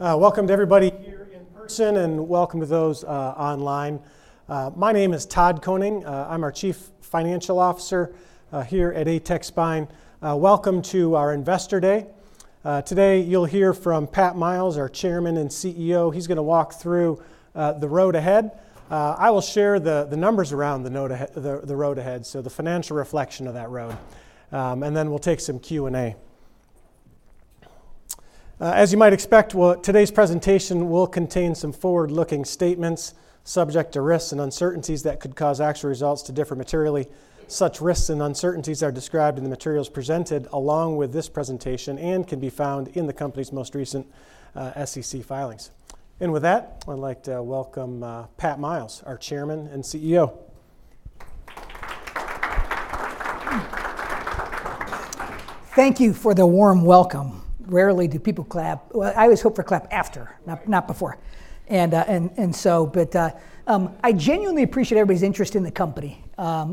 Welcome to everybody here in person and welcome to those online. My name is Todd Koning. I'm our Chief Financial Officer here at ATEC Spine. Welcome to our Investor Day. Today you'll hear from Pat Miles, our Chairman and CEO. He's going to walk through the road ahead. I will share the numbers around the road ahead, so the financial reflection of that road. And then we'll take some Q&A. As you might expect, today's presentation will contain some forward-looking statements subject to risks and uncertainties that could cause actual results to differ materially. Such risks and uncertainties are described in the materials presented along with this presentation and can be found in the company's most recent SEC filings. And with that, I'd like to welcome Pat Miles, our Chairman and CEO. Thank you for the warm welcome. Rarely do people clap. I always hope for clap after, not before. But I genuinely appreciate everybody's interest in the company.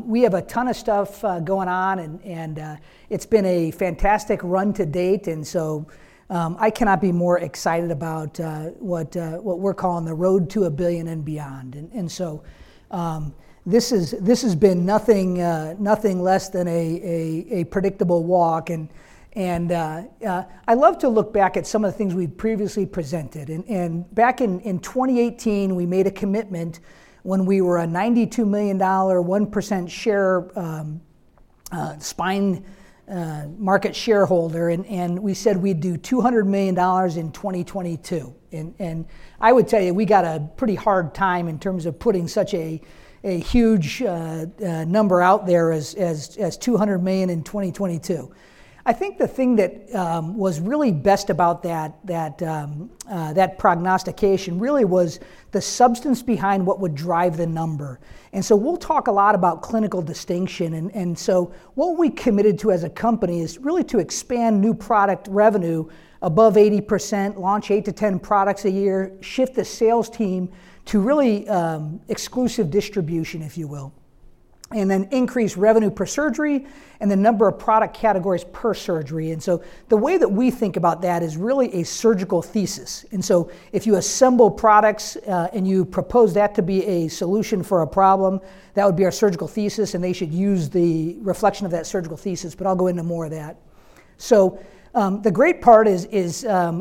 We have a ton of stuff going on and it's been a fantastic run to date. And so I cannot be more excited about what we're calling the road to a billion and beyond. And so this has been nothing less than a predictable walk. And I love to look back at some of the things we've previously presented. And back in 2018, we made a commitment when we were a $92 million, 1% share spine market shareholder. And we said we'd do $200 million in 2022. And I would tell you, we got a pretty hard time in terms of putting such a huge number out there as $200 million in 2022. I think the thing that was really best about that prognostication really was the substance behind what would drive the number. And so we'll talk a lot about clinical distinction. And so what we committed to as a company is really to expand new product revenue above 80%, launch eight-ten products a year, shift the sales team to really exclusive distribution, if you will, and then increase revenue per surgery and the number of product categories per surgery. And so the way that we think about that is really a surgical thesis. And so if you assemble products and you propose that to be a solution for a problem, that would be our surgical thesis. And they should use the reflection of that surgical thesis. But I'll go into more of that. So the great part is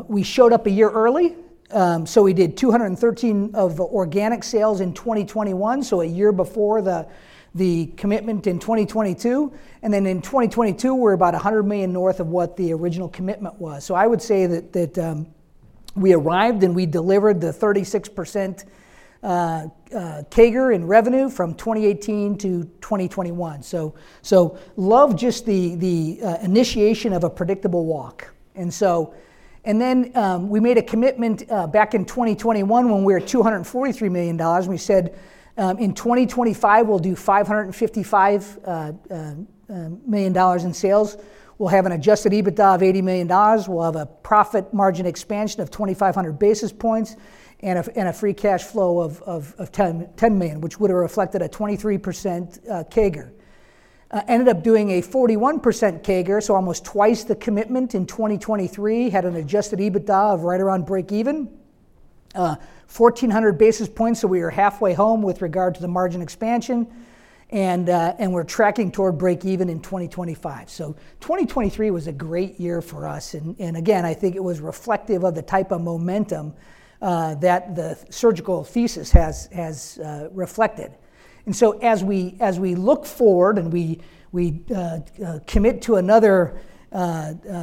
we showed up a year early. So we did $213 million of organic sales in 2021, so a year before the commitment in 2022. And then in 2022, we're about $100 million north of what the original commitment was. So I would say that we arrived and we delivered the 36% CAGR in revenue from 2018 to 2021. So love just the initiation of a predictable walk. And then we made a commitment back in 2021 when we were $243 million. We said in 2025, we'll do $555 million in sales. We'll have an Adjusted EBITDA of $80 million. We'll have a profit margin expansion of 2,500 basis points and a free cash flow of $10 million, which would have reflected a 23% CAGR. Ended up doing a 41% CAGR, so almost twice the commitment in 2023, had an Adjusted EBITDA of right around break even, 1,400 basis points. So we were halfway home with regard to the margin expansion. And we're tracking toward break even in 2025. So 2023 was a great year for us. And again, I think it was reflective of the type of momentum that the surgical thesis has reflected. And so as we look forward and we commit to another kind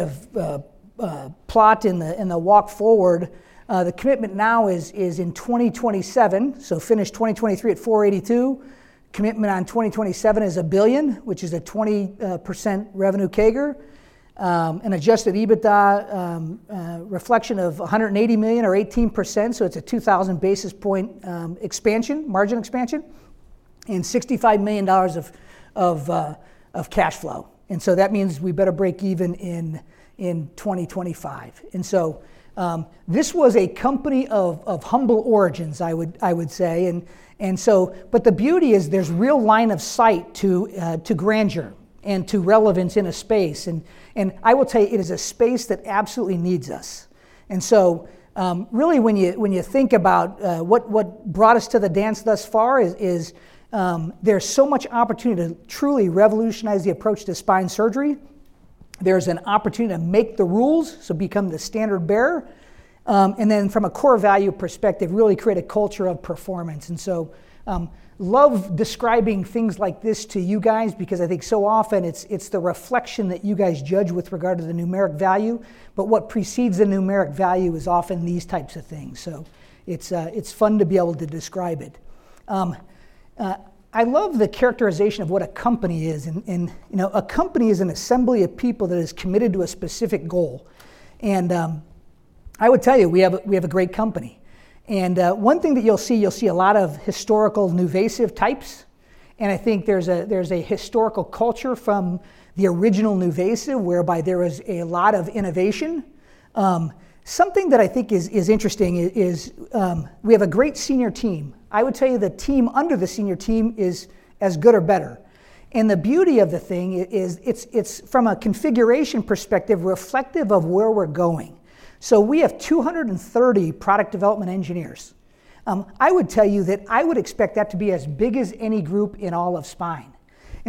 of plot in the walk forward, the commitment now is in 2027, so finish 2023 at $482 million. Commitment on 2027 is $1 billion, which is a 20% revenue CAGR, an Adjusted EBITDA reflection of $180 million or 18%. So it's a 2,000 basis point expansion, margin expansion, and $65 million of cash flow. And so that means we better break even in 2025. And so this was a company of humble origins, I would say. But the beauty is there's real line of sight to grandeur and to relevance in a space. I will tell you, it is a space that absolutely needs us. Really, when you think about what brought us to the dance thus far, there's so much opportunity to truly revolutionize the approach to spine surgery. There's an opportunity to make the rules, so become the standard bearer. From a core value perspective, really create a culture of performance. I love describing things like this to you guys because I think so often it's the reflection that you guys judge with regard to the numeric value. But what precedes the numeric value is often these types of things. It's fun to be able to describe it. I love the characterization of what a company is. A company is an assembly of people that is committed to a specific goal. I would tell you, we have a great company. One thing that you'll see, you'll see a lot of historical NuVasive types. I think there's a historical culture from the original NuVasive whereby there was a lot of innovation. Something that I think is interesting is we have a great senior team. I would tell you, the team under the senior team is as good or better. The beauty of the thing is it's from a configuration perspective reflective of where we're going. We have 230 product development engineers. I would tell you that I would expect that to be as big as any group in all of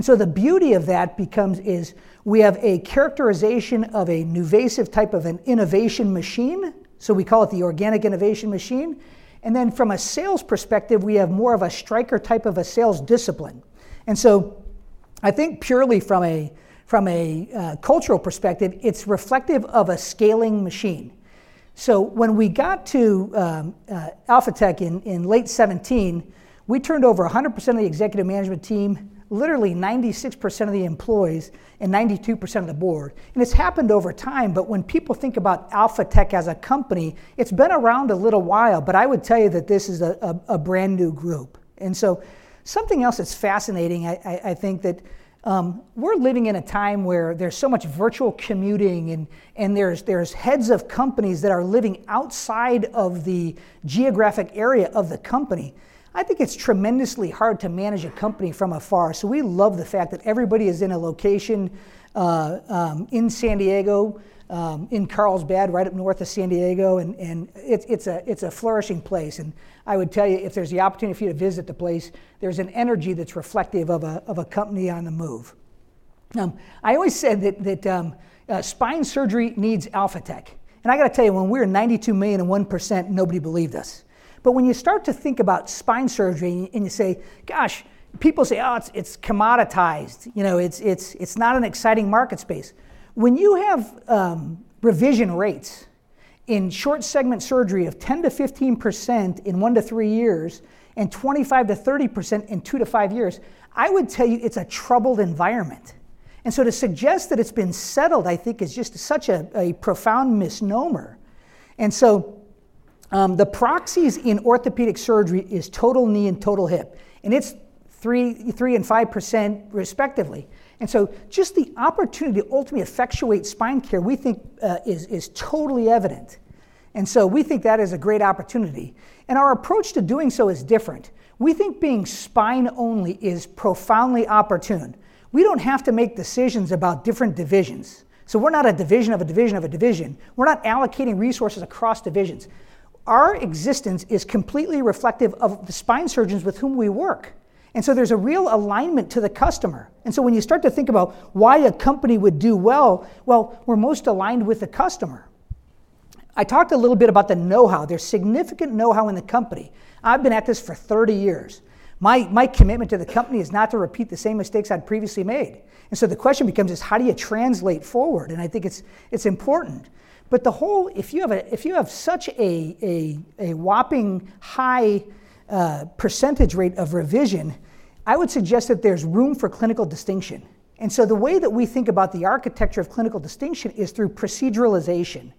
spine. The beauty of that becomes is we have a characterization of a NuVasive type of an innovation machine. We call it the organic innovation machine. From a sales perspective, we have more of a Stryker type of a sales discipline. I think purely from a cultural perspective, it's reflective of a scaling machine. When we got to Alphatec in late 2017, we turned over 100% of the executive management team, literally 96% of the employees, and 92% of the board. It's happened over time. When people think about Alphatec as a company, it's been around a little while. I would tell you that this is a brand new group. Something else that's fascinating, I think that we're living in a time where there's so much virtual commuting and there's heads of companies that are living outside of the geographic area of the company. I think it's tremendously hard to manage a company from afar. We love the fact that everybody is in a location in San Diego, in Carlsbad, right up north of San Diego. It's a flourishing place. And I would tell you, if there's the opportunity for you to visit the place, there's an energy that's reflective of a company on the move. I always said that spine surgery needs Alphatec. And I got to tell you, when we were $92 million and 1%, nobody believed us. But when you start to think about spine surgery and you say, "Gosh," people say, "Oh, it's commoditized. It's not an exciting market space." When you have revision rates in short segment surgery of 10%-15% in one to three years and 25%-30% in two to five years, I would tell you it's a troubled environment. And so to suggest that it's been settled, I think, is just such a profound misnomer. And so the proxies in orthopedic surgery is total knee and total hip. And it's 3% and 5% respectively. Just the opportunity to ultimately effectuate spine care, we think, is totally evident. We think that is a great opportunity. Our approach to doing so is different. We think being spine-only is profoundly opportune. We don't have to make decisions about different divisions. We're not a division of a division of a division. We're not allocating resources across divisions. Our existence is completely reflective of the spine surgeons with whom we work. There's a real alignment to the customer. When you start to think about why a company would do well, well, we're most aligned with the customer. I talked a little bit about the know-how. There's significant know-how in the company. I've been at this for 30 years. My commitment to the company is not to repeat the same mistakes I'd previously made. And so the question becomes is how do you translate forward? And I think it's important. But the whole, if you have such a whopping high percentage rate of revision, I would suggest that there's room for clinical distinction. And so the way that we think about the architecture of clinical distinction is through proceduralization.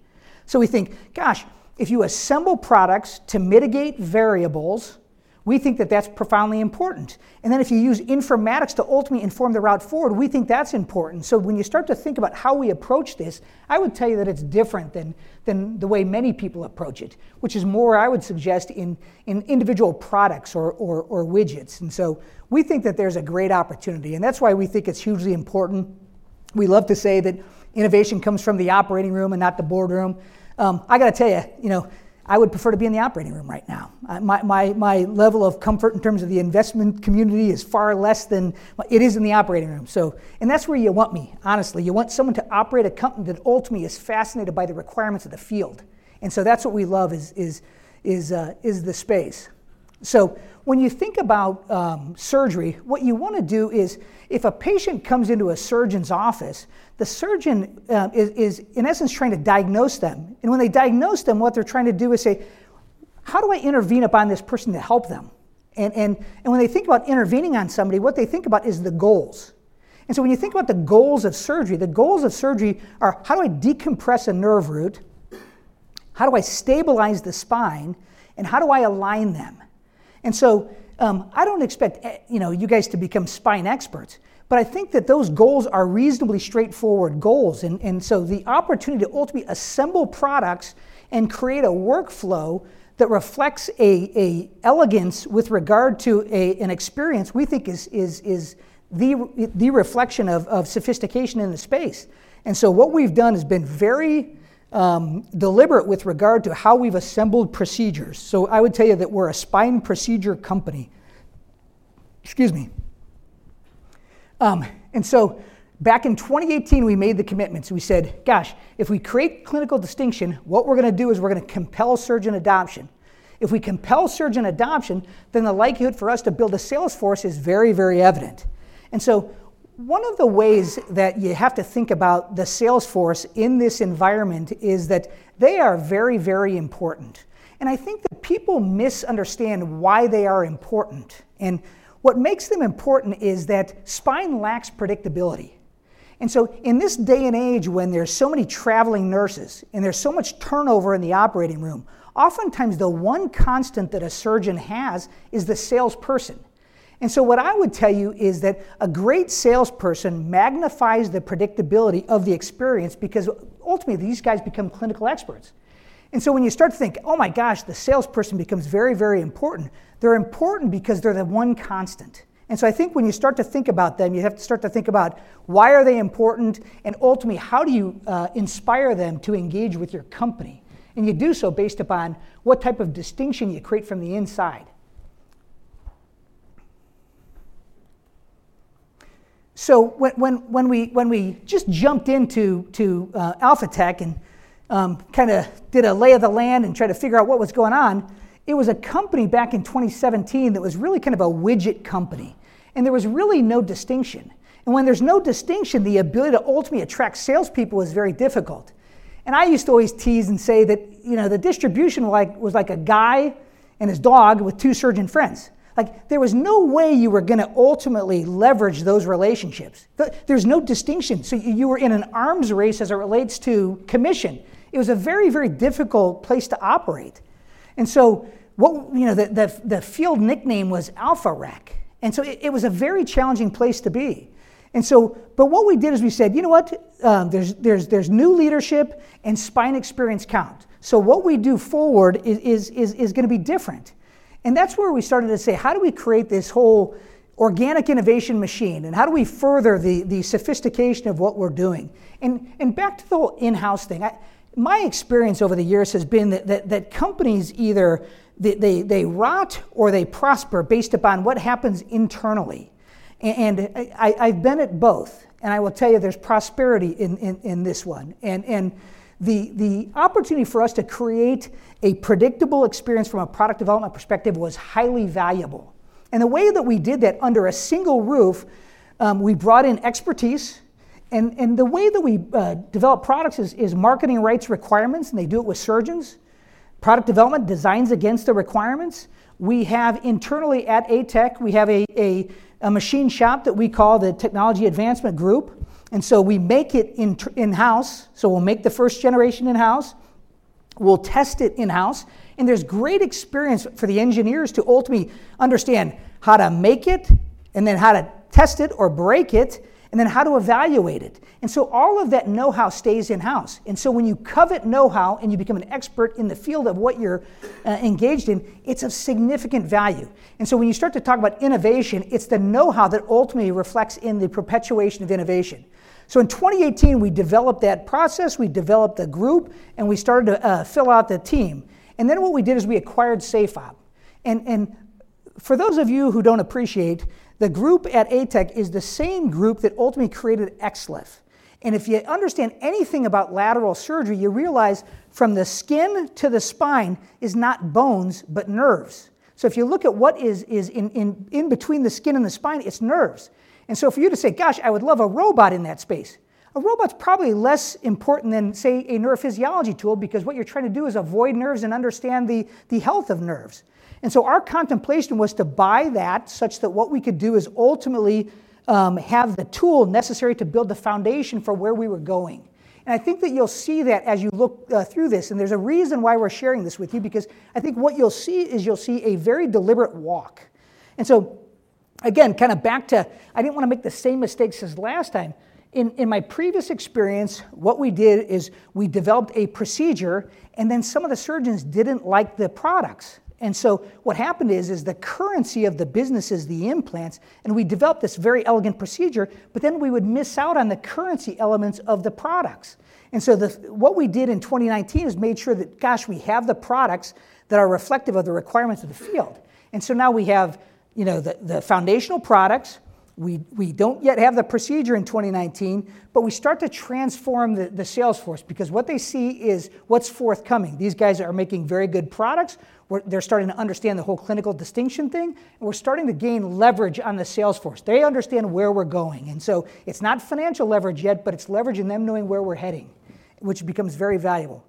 So we think, "Gosh, if you assemble products to mitigate variables, we think that that's profoundly important. And then if you use informatics to ultimately inform the route forward, we think that's important." So when you start to think about how we approach this, I would tell you that it's different than the way many people approach it, which is more, I would suggest, in individual products or widgets. And so we think that there's a great opportunity. And that's why we think it's hugely important. We love to say that innovation comes from the operating room and not the boardroom. I got to tell you, I would prefer to be in the operating room right now. My level of comfort in terms of the investment community is far less than it is in the operating room. That's where you want me, honestly. You want someone to operate a company that ultimately is fascinated by the requirements of the field. That's what we love is the space. When you think about surgery, what you want to do is if a patient comes into a surgeon's office, the surgeon is, in essence, trying to diagnose them. When they diagnose them, what they're trying to do is say, "How do I intervene upon this person to help them?" When they think about intervening on somebody, what they think about is the goals. And so when you think about the goals of surgery, the goals of surgery are, "How do I decompress a nerve root? How do I stabilize the spine? And how do I align them?" And so I don't expect you guys to become spine experts. But I think that those goals are reasonably straightforward goals. And so the opportunity to ultimately assemble products and create a workflow that reflects an elegance with regard to an experience, we think, is the reflection of sophistication in the space. And so what we've done has been very deliberate with regard to how we've assembled procedures. So I would tell you that we're a spine procedure company. Excuse me. And so back in 2018, we made the commitments. We said, "Gosh, if we create clinical distinction, what we're going to do is we're going to compel surgeon adoption. If we compel surgeon adoption, then the likelihood for us to build a sales force is very, very evident." And so one of the ways that you have to think about the sales force in this environment is that they are very, very important. And I think that people misunderstand why they are important. And what makes them important is that spine lacks predictability. And so in this day and age when there's so many traveling nurses and there's so much turnover in the operating room, oftentimes the one constant that a surgeon has is the salesperson. And so what I would tell you is that a great salesperson magnifies the predictability of the experience because ultimately these guys become clinical experts. And so when you start to think, "Oh my gosh, the salesperson becomes very, very important," they're important because they're the one constant. And so I think when you start to think about them, you have to start to think about why are they important? And ultimately, how do you inspire them to engage with your company? And you do so based upon what type of distinction you create from the inside. So when we just jumped into Alphatec and kind of did a lay of the land and tried to figure out what was going on, it was a company back in 2017 that was really kind of a widget company. And there was really no distinction. And when there's no distinction, the ability to ultimately attract salespeople is very difficult. And I used to always tease and say that the distribution was like a guy and his dog with two surgeon friends. There was no way you were going to ultimately leverage those relationships. There's no distinction. So you were in an arms race as it relates to commission. It was a very, very difficult place to operate. And so the field nickname was AlphaRec. And so it was a very challenging place to be. But what we did is we said, "You know what? There's new leadership and spine experience count. So what we do forward is going to be different." And that's where we started to say, "How do we create this whole organic innovation machine? And how do we further the sophistication of what we're doing?" And back to the whole in-house thing, my experience over the years has been that companies either they rot or they prosper based upon what happens internally. And I've been at both. And I will tell you, there's prosperity in this one. The opportunity for us to create a predictable experience from a product development perspective was highly valuable. The way that we did that under a single roof, we brought in expertise. The way that we develop products is marketing writes requirements. They do it with surgeons. Product development designs against the requirements. We have internally at ATEC, we have a machine shop that we call the Technology Advancement Group. So we make it in-house. We'll make the first generation in-house. We'll test it in-house. There's great experience for the engineers to ultimately understand how to make it and then how to test it or break it and then how to evaluate it. All of that know-how stays in-house. And so when you covet know-how and you become an expert in the field of what you're engaged in, it's of significant value. And so when you start to talk about innovation, it's the know-how that ultimately reflects in the perpetuation of innovation. So in 2018, we developed that process. We developed the group. And we started to fill out the team. And then what we did is we acquired SafeOp. And for those of you who don't appreciate, the group at ATEC is the same group that ultimately created XLIF. And if you understand anything about lateral surgery, you realize from the skin to the spine is not bones but nerves. So if you look at what is in between the skin and the spine, it's nerves. And so for you to say, "Gosh, I would love a robot in that space," a robot's probably less important than, say, a neurophysiology tool because what you're trying to do is avoid nerves and understand the health of nerves. And so our contemplation was to buy that such that what we could do is ultimately have the tool necessary to build the foundation for where we were going. And I think that you'll see that as you look through this. And there's a reason why we're sharing this with you because I think what you'll see is you'll see a very deliberate walk. And so again, kind of back to, I didn't want to make the same mistakes as last time. In my previous experience, what we did is we developed a procedure. And then some of the surgeons didn't like the products. And so what happened is the currency of the business is the implants. And we developed this very elegant procedure. But then we would miss out on the currency elements of the products. And so what we did in 2019 is made sure that, "Gosh, we have the products that are reflective of the requirements of the field." And so now we have the foundational products. We don't yet have the procedure in 2019. But we start to transform the sales force because what they see is what's forthcoming. These guys are making very good products. They're starting to understand the whole clinical distinction thing. And we're starting to gain leverage on the sales force. They understand where we're going. And so it's not financial leverage yet. But it's leverage in them knowing where we're heading, which becomes very valuable.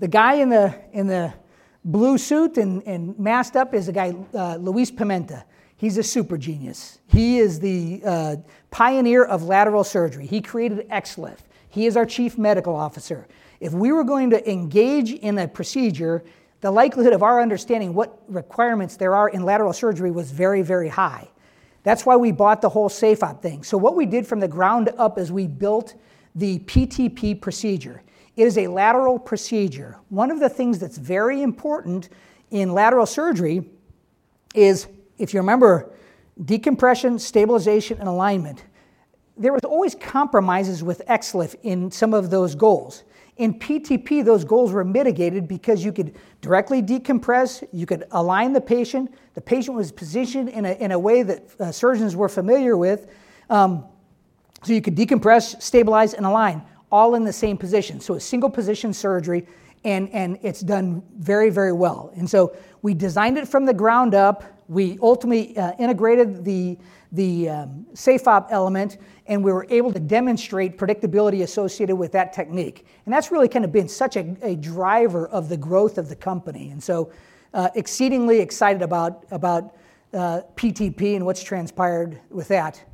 The guy in the blue suit and masked up is a guy, Luiz Pimenta. He's a super genius. He is the pioneer of lateral surgery. He created XLIF. He is our Chief Medical Officer. If we were going to engage in a procedure, the likelihood of our understanding what requirements there are in lateral surgery was very, very high. That's why we bought the whole SafeOp thing. So what we did from the ground up is we built the PTP procedure. It is a lateral procedure. One of the things that's very important in lateral surgery is, if you remember, decompression, stabilization, and alignment. There were always compromises with XLIF in some of those goals. In PTP, those goals were mitigated because you could directly decompress. You could align the patient. The patient was positioned in a way that surgeons were familiar with. So you could decompress, stabilize, and align all in the same position. So a single position surgery. And it's done very, very well. And so we designed it from the ground up. We ultimately integrated the SafeOp element. And we were able to demonstrate predictability associated with that technique. And that's really kind of been such a driver of the growth of the company. And so exceedingly excited about PTP and what's transpired with that.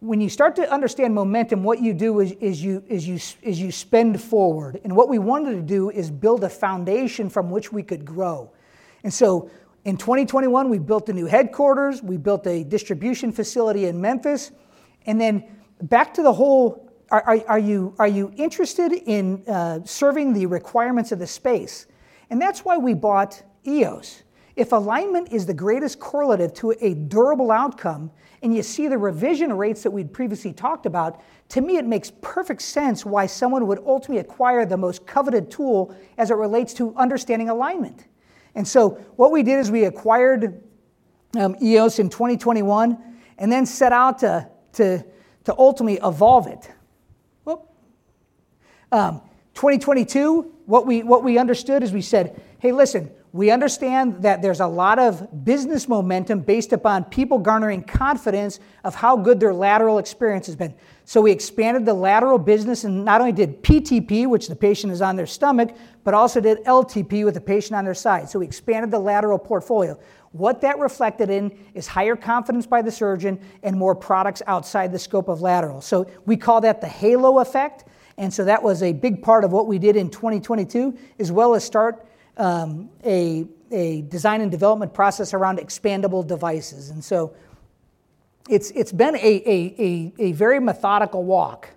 When you start to understand momentum, what you do is you spend forward. And what we wanted to do is build a foundation from which we could grow. And so in 2021, we built the new headquarters. We built a distribution facility in Memphis. And then back to the whole, "Are you interested in serving the requirements of the space?" And that's why we bought EOS. If alignment is the greatest correlative to a durable outcome and you see the revision rates that we'd previously talked about, to me, it makes perfect sense why someone would ultimately acquire the most coveted tool as it relates to understanding alignment. And so what we did is we acquired EOS in 2021 and then set out to ultimately evolve it. 2022, what we understood is we said, "Hey, listen. We understand that there's a lot of business momentum based upon people garnering confidence of how good their lateral experience has been." So we expanded the lateral business. And not only did PTP, which the patient is on their stomach, but also did LTP with the patient on their side. So we expanded the lateral portfolio. What that reflected in is higher confidence by the surgeon and more products outside the scope of lateral. We call that the halo effect. That was a big part of what we did in 2022 as well as start a design and development process around expandable devices. It's been a very methodical walk.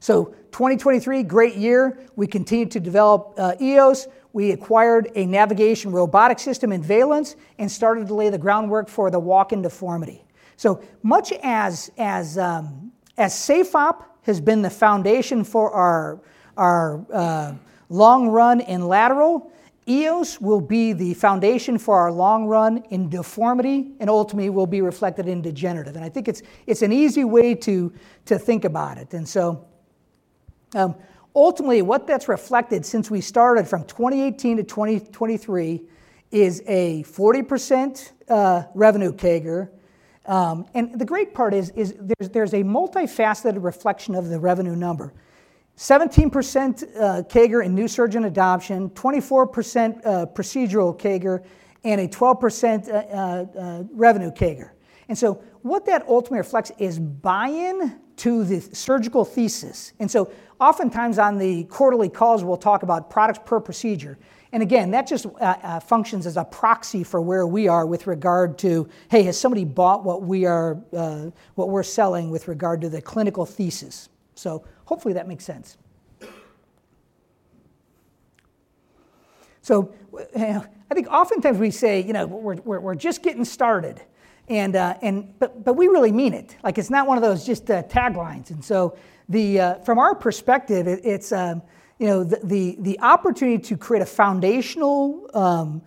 2023, great year. We continued to develop EOS. We acquired a navigation robotic system in Valence and started to lay the groundwork for the long run in deformity. So much as SafeOp has been the foundation for our long run in lateral, EOS will be the foundation for our long run in deformity and ultimately will be reflected in degenerative. I think it's an easy way to think about it. Ultimately, what that's reflected since we started from 2018 to 2023 is a 40% revenue CAGR. The great part is there's a multifaceted reflection of the revenue number: 17% CAGR in new surgeon adoption, 24% procedural CAGR, and a 12% revenue CAGR. What that ultimately reflects is buy-in to the surgical thesis. Oftentimes on the quarterly calls, we'll talk about products per procedure. Again, that just functions as a proxy for where we are with regard to, "Hey, has somebody bought what we're selling with regard to the clinical thesis?" Hopefully, that makes sense. I think oftentimes we say, "We're just getting started." But we really mean it. It's not one of those just taglines. From our perspective, the opportunity to create a foundational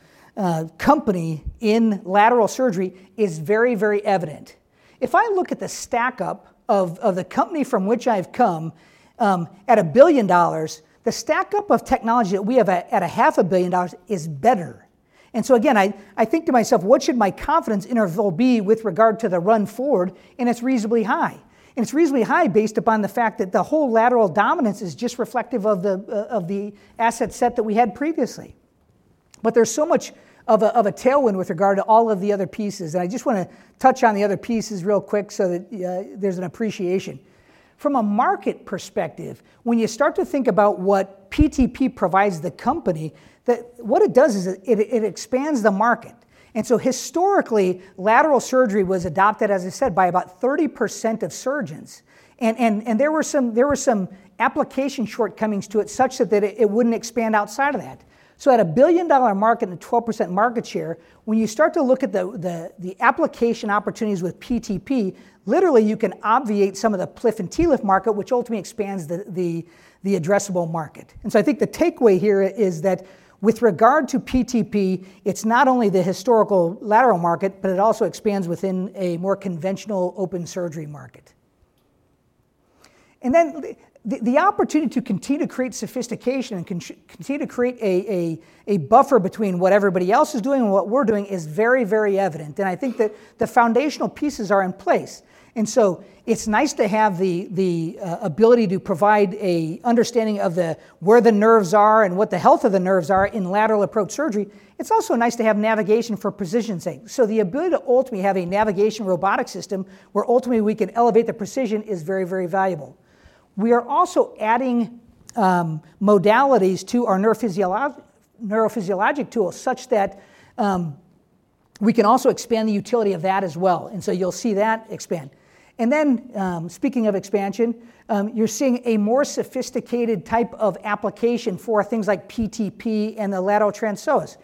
company in lateral surgery is very, very evident. If I look at the stackup of the company from which I've come at a billion dollars, the stackup of technology that we have at half a billion dollars is better. And so again, I think to myself, what should my confidence interval be with regard to the run forward? And it's reasonably high. And it's reasonably high based upon the fact that the whole lateral dominance is just reflective of the asset set that we had previously. But there's so much of a tailwind with regard to all of the other pieces. And I just want to touch on the other pieces real quick so that there's an appreciation. From a market perspective, when you start to think about what PTP provides the company, what it does is it expands the market. And so historically, lateral surgery was adopted, as I said, by about 30% of surgeons. There were some application shortcomings to it such that it wouldn't expand outside of that. So at a billion-dollar market and 12% market share, when you start to look at the application opportunities with PTP, literally, you can obviate some of the PLIF and TLIF market, which ultimately expands the addressable market. And so I think the takeaway here is that with regard to PTP, it's not only the historical lateral market, but it also expands within a more conventional open surgery market. And then the opportunity to continue to create sophistication and continue to create a buffer between what everybody else is doing and what we're doing is very, very evident. And I think that the foundational pieces are in place. It's nice to have the ability to provide an understanding of where the nerves are and what the health of the nerves are in lateral approach surgery. It's also nice to have navigation for precision's sake. The ability to ultimately have a navigation robotic system where ultimately we can elevate the precision is very, very valuable. We are also adding modalities to our neurophysiologic tool such that we can also expand the utility of that as well. You'll see that expand. Speaking of expansion, you're seeing a more sophisticated type of application for things like PTP and the lateral transpsoas.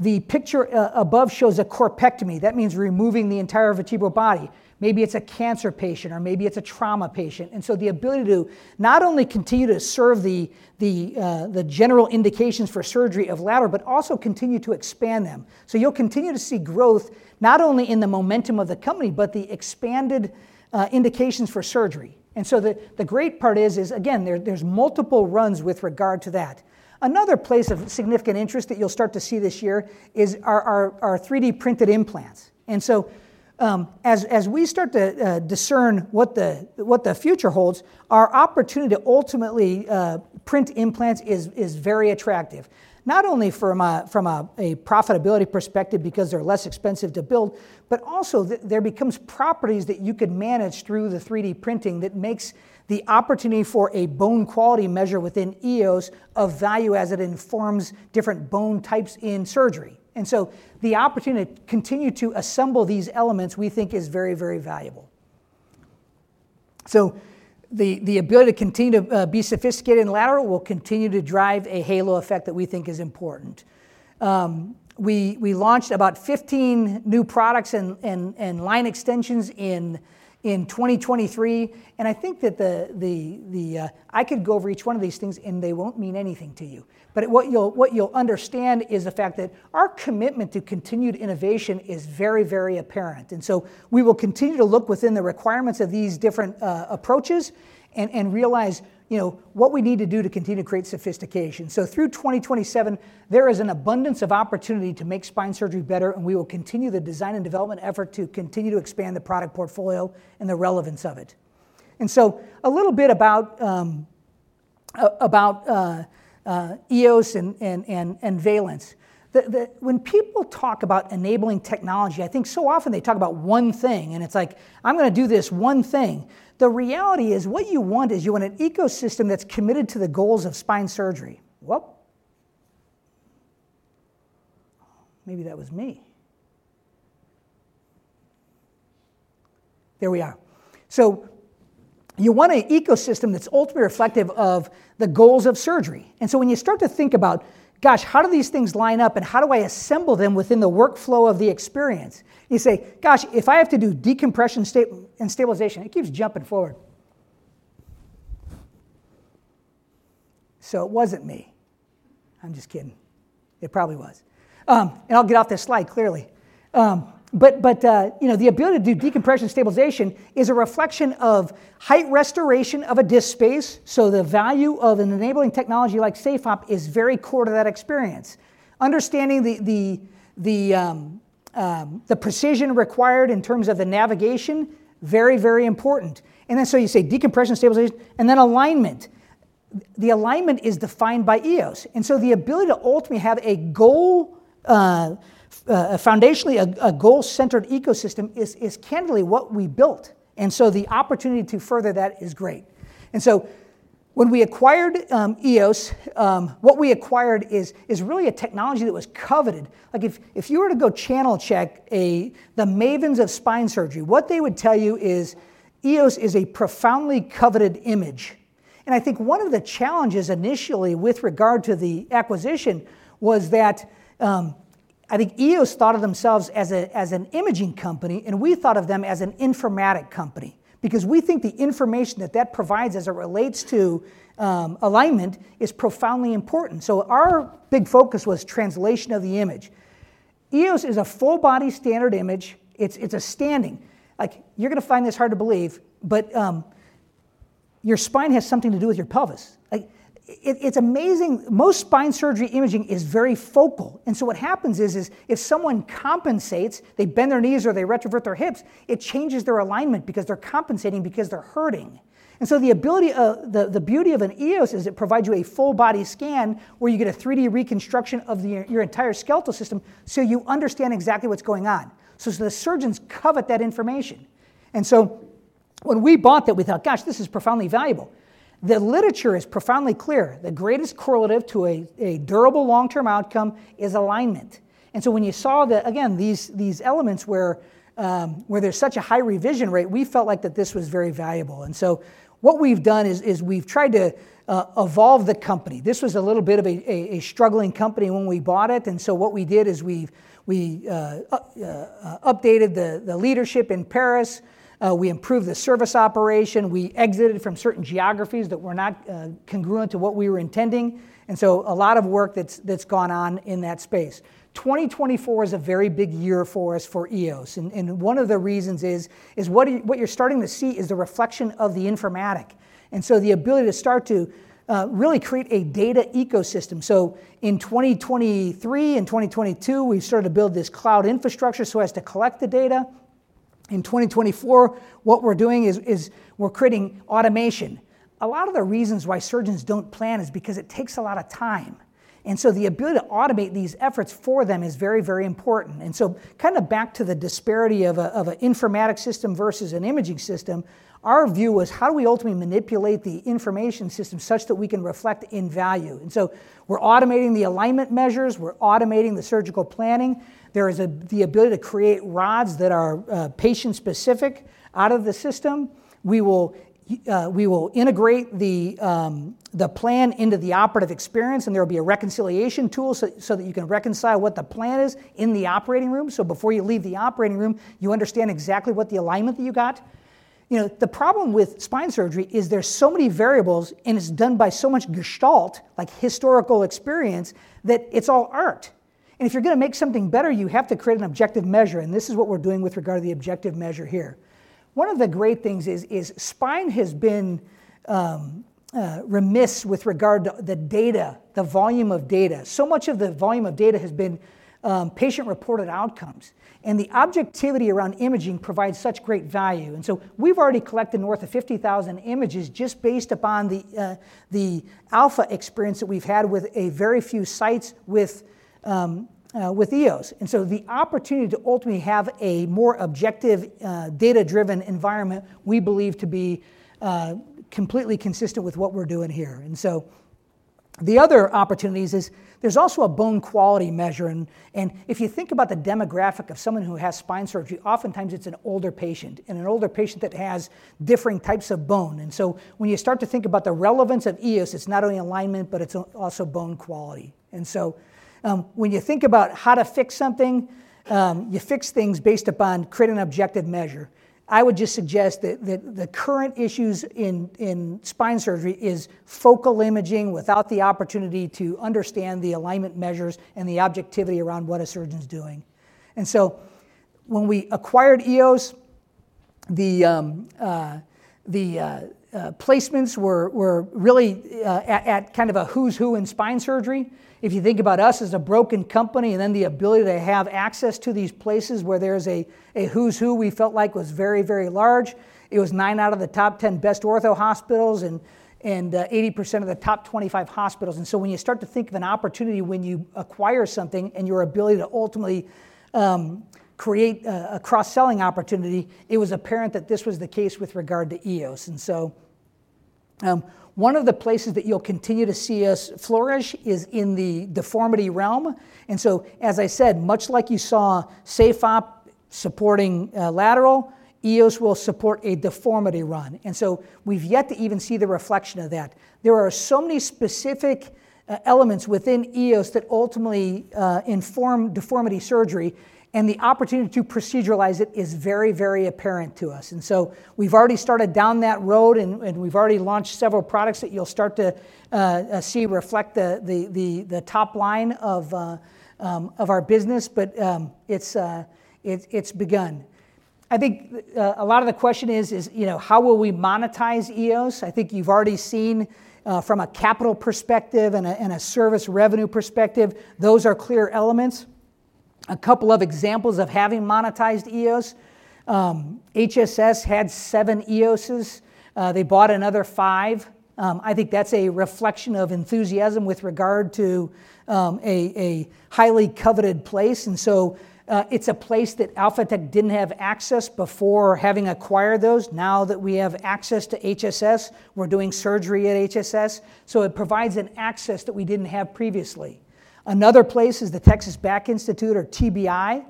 The picture above shows a corpectomy. That means removing the entire vertebral body. Maybe it's a cancer patient. Or maybe it's a trauma patient. So the ability to not only continue to serve the general indications for surgery of lateral but also continue to expand them. So you'll continue to see growth not only in the momentum of the company but the expanded indications for surgery. And so the great part is, again, there's multiple runs with regard to that. Another place of significant interest that you'll start to see this year is our 3D-printed implants. And so as we start to discern what the future holds, our opportunity to ultimately print implants is very attractive, not only from a profitability perspective because they're less expensive to build but also there becomes properties that you could manage through the 3D printing that makes the opportunity for a bone quality measure within EOS of value as it informs different bone types in surgery. So the opportunity to continue to assemble these elements we think is very, very valuable. So the ability to continue to be sophisticated in lateral will continue to drive a halo effect that we think is important. We launched about 15 new products and line extensions in 2023. And I think that I could go over each one of these things. And they won't mean anything to you. But what you'll understand is the fact that our commitment to continued innovation is very, very apparent. And so we will continue to look within the requirements of these different approaches and realize what we need to do to continue to create sophistication. So through 2027, there is an abundance of opportunity to make spine surgery better. And we will continue the design and development effort to continue to expand the product portfolio and the relevance of it. And so a little bit about EOS and Valence. When people talk about enabling technology, I think so often they talk about one thing. And it's like, "I'm going to do this one thing." The reality is what you want is you want an ecosystem that's committed to the goals of spine surgery. Whoop. Maybe that was me. There we are. So you want an ecosystem that's ultimately reflective of the goals of surgery. And so when you start to think about, "Gosh, how do these things line up? And how do I assemble them within the workflow of the experience?" You say, "Gosh, if I have to do decompression and stabilization, it keeps jumping forward." So it wasn't me. I'm just kidding. It probably was. And I'll get off this slide clearly. But the ability to do decompression and stabilization is a reflection of height restoration of a disc space. So the value of an enabling technology like SafeOp is very core to that experience. Understanding the precision required in terms of the navigation, very, very important. And then so you say decompression and stabilization. And then alignment. The alignment is defined by EOS. And so the ability to ultimately have a goal foundationally, a goal-centered ecosystem is candidly what we built. And so the opportunity to further that is great. And so when we acquired EOS, what we acquired is really a technology that was coveted. If you were to go channel check the mavens of spine surgery, what they would tell you is EOS is a profoundly coveted imaging. I think one of the challenges initially with regard to the acquisition was that I think EOS thought of themselves as an imaging company. And we thought of them as an informatics company because we think the information that that provides as it relates to alignment is profoundly important. So our big focus was translation of the image. EOS is a full-body standard image. It's a standing. You're going to find this hard to believe. But your spine has something to do with your pelvis. It's amazing. Most spine surgery imaging is very focal. And so what happens is if someone compensates, they bend their knees or they retrovert their hips, it changes their alignment because they're compensating because they're hurting. The beauty of an EOS is it provides you a full-body scan where you get a 3D reconstruction of your entire skeletal system so you understand exactly what's going on. The surgeons covet that information. When we bought that, we thought, "Gosh, this is profoundly valuable." The literature is profoundly clear. The greatest correlative to a durable long-term outcome is alignment. When you saw, again, these elements where there's such a high revision rate, we felt like that this was very valuable. What we've done is we've tried to evolve the company. This was a little bit of a struggling company when we bought it. What we did is we updated the leadership in Paris. We improved the service operation. We exited from certain geographies that were not congruent to what we were intending. A lot of work that's gone on in that space. 2024 is a very big year for us for EOS. One of the reasons is what you're starting to see is the reflection of the informatics. The ability to start to really create a data ecosystem. In 2023 and 2022, we started to build this cloud infrastructure so as to collect the data. In 2024, what we're doing is we're creating automation. A lot of the reasons why surgeons don't plan is because it takes a lot of time. The ability to automate these efforts for them is very, very important. Kind of back to the disparity of an informatics system versus an imaging system, our view was how do we ultimately manipulate the information system such that we can reflect in value. We're automating the alignment measures. We're automating the surgical planning. There is the ability to create rods that are patient-specific out of the system. We will integrate the plan into the operative experience. There will be a reconciliation tool so that you can reconcile what the plan is in the operating room. Before you leave the operating room, you understand exactly what the alignment that you got. The problem with spine surgery is there's so many variables. It's done by so much gestalt, historical experience, that it's all art. If you're going to make something better, you have to create an objective measure. This is what we're doing with regard to the objective measure here. One of the great things is spine has been remiss with regard to the data, the volume of data. So much of the volume of data has been patient-reported outcomes. The objectivity around imaging provides such great value. We've already collected north of 50,000 images just based upon the Alphatec experience that we've had with a very few sites with EOS. The opportunity to ultimately have a more objective, data-driven environment we believe to be completely consistent with what we're doing here. The other opportunities is there's also a bone quality measure. If you think about the demographic of someone who has spine surgery, oftentimes it's an older patient and an older patient that has differing types of bone. When you start to think about the relevance of EOS, it's not only alignment but it's also bone quality. When you think about how to fix something, you fix things based upon creating an objective measure. I would just suggest that the current issues in spine surgery is focal imaging without the opportunity to understand the alignment measures and the objectivity around what a surgeon's doing. And so when we acquired EOS, the placements were really at kind of a who's who in spine surgery. If you think about us as a broken company and then the ability to have access to these places where there is a who's who we felt like was very, very large, it was nine out of the top 10 best ortho hospitals and 80% of the top 25 hospitals. And so when you start to think of an opportunity when you acquire something and your ability to ultimately create a cross-selling opportunity, it was apparent that this was the case with regard to EOS. And so one of the places that you'll continue to see us flourish is in the deformity realm. And so, as I said, much like you saw SafeOp supporting lateral, EOS will support a deformity run. And so we've yet to even see the reflection of that. There are so many specific elements within EOS that ultimately inform deformity surgery. And the opportunity to proceduralize it is very, very apparent to us. And so we've already started down that road. And we've already launched several products that you'll start to see reflect the top line of our business. But it's begun. I think a lot of the question is how will we monetize EOS? I think you've already seen from a capital perspective and a service revenue perspective, those are clear elements. A couple of examples of having monetized EOS, EOSedge had seven EOSs. They bought another five. I think that's a reflection of enthusiasm with regard to a highly coveted place. And so it's a place that Alphatec didn't have access before having acquired those. Now that we have access to HSS, we're doing surgery at HSS. So it provides an access that we didn't have previously. Another place is the Texas Back Institute or TBI.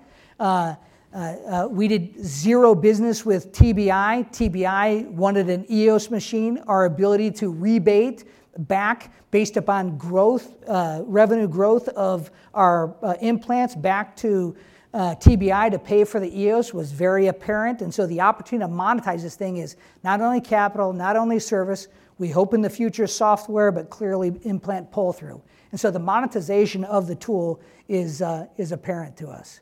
We did zero business with TBI. TBI wanted an EOS machine. Our ability to rebate back based upon revenue growth of our implants back to TBI to pay for the EOS was very apparent. And so the opportunity to monetize this thing is not only capital, not only service, we hope in the future software but clearly implant pull-through. And so the monetization of the tool is apparent to us.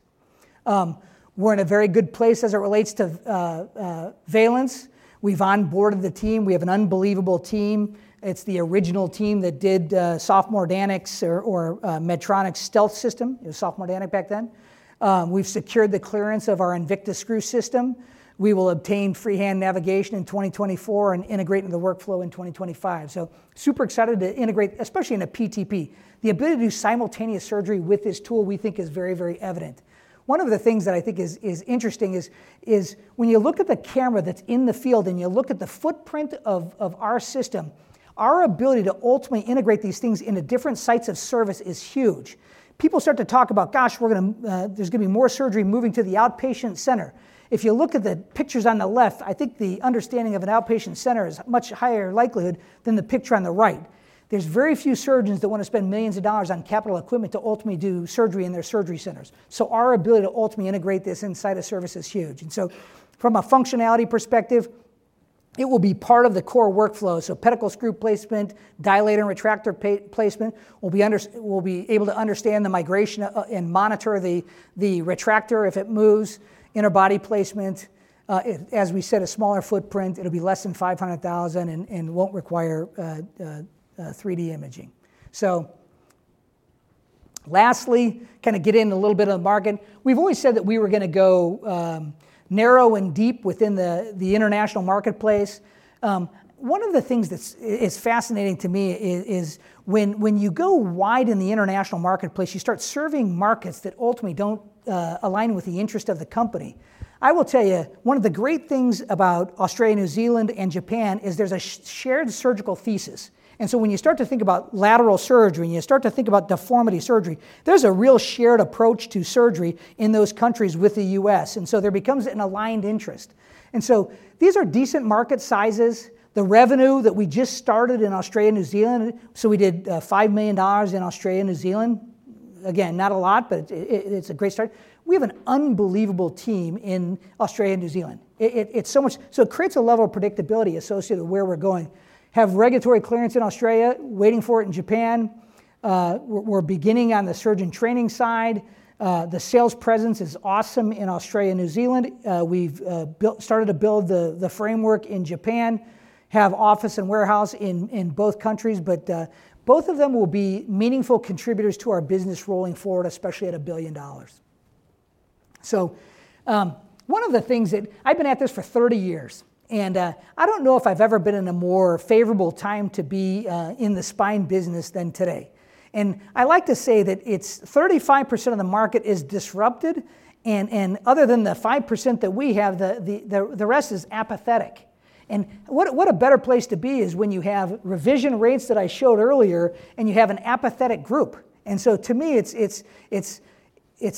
We're in a very good place as it relates to Valence. We've onboarded the team. We have an unbelievable team. It's the original team that did Sofamor Danek or Medtronic's Stealth system. It was Sofamor Danek back then. We've secured the clearance of our Invictus screw system. We will obtain freehand navigation in 2024 and integrate into the workflow in 2025. So super excited to integrate, especially in a PTP. The ability to do simultaneous surgery with this tool we think is very, very evident. One of the things that I think is interesting is when you look at the camera that's in the field and you look at the footprint of our system, our ability to ultimately integrate these things into different sites of service is huge. People start to talk about, "Gosh, there's going to be more surgery moving to the outpatient center." If you look at the pictures on the left, I think the understanding of an outpatient center is much higher likelihood than the picture on the right. There's very few surgeons that want to spend millions of dollars on capital equipment to ultimately do surgery in their surgery centers. Our ability to ultimately integrate this inside of service is huge. From a functionality perspective, it will be part of the core workflow. Pedicle screw placement, dilator and retractor placement, we'll be able to understand the migration and monitor the retractor if it moves, inner body placement. As we said, a smaller footprint, it'll be less than $500,000 and won't require 3D imaging. Lastly, kind of get into a little bit of the market. We've always said that we were going to go narrow and deep within the international marketplace. One of the things that's fascinating to me is when you go wide in the international marketplace, you start serving markets that ultimately don't align with the interest of the company. I will tell you, one of the great things about Australia, New Zealand, and Japan is there's a shared surgical thesis. And so when you start to think about lateral surgery, when you start to think about deformity surgery, there's a real shared approach to surgery in those countries with the U.S. And so there becomes an aligned interest. And so these are decent market sizes. The revenue that we just started in Australia, New Zealand, so we did $5 million in Australia, New Zealand, again, not a lot. But it's a great start. We have an unbelievable team in Australia, New Zealand. So it creates a level of predictability associated with where we're going. Have regulatory clearance in Australia, waiting for it in Japan. We're beginning on the surgeon training side. The sales presence is awesome in Australia, New Zealand. We've started to build the framework in Japan. Have office and warehouse in both countries. But both of them will be meaningful contributors to our business rolling forward, especially at $1 billion. So one of the things that I've been at this for 30 years. And I don't know if I've ever been in a more favorable time to be in the spine business than today. And I like to say that 35% of the market is disrupted. And other than the 5% that we have, the rest is apathetic. And what a better place to be is when you have revision rates that I showed earlier and you have an apathetic group. And so to me, it's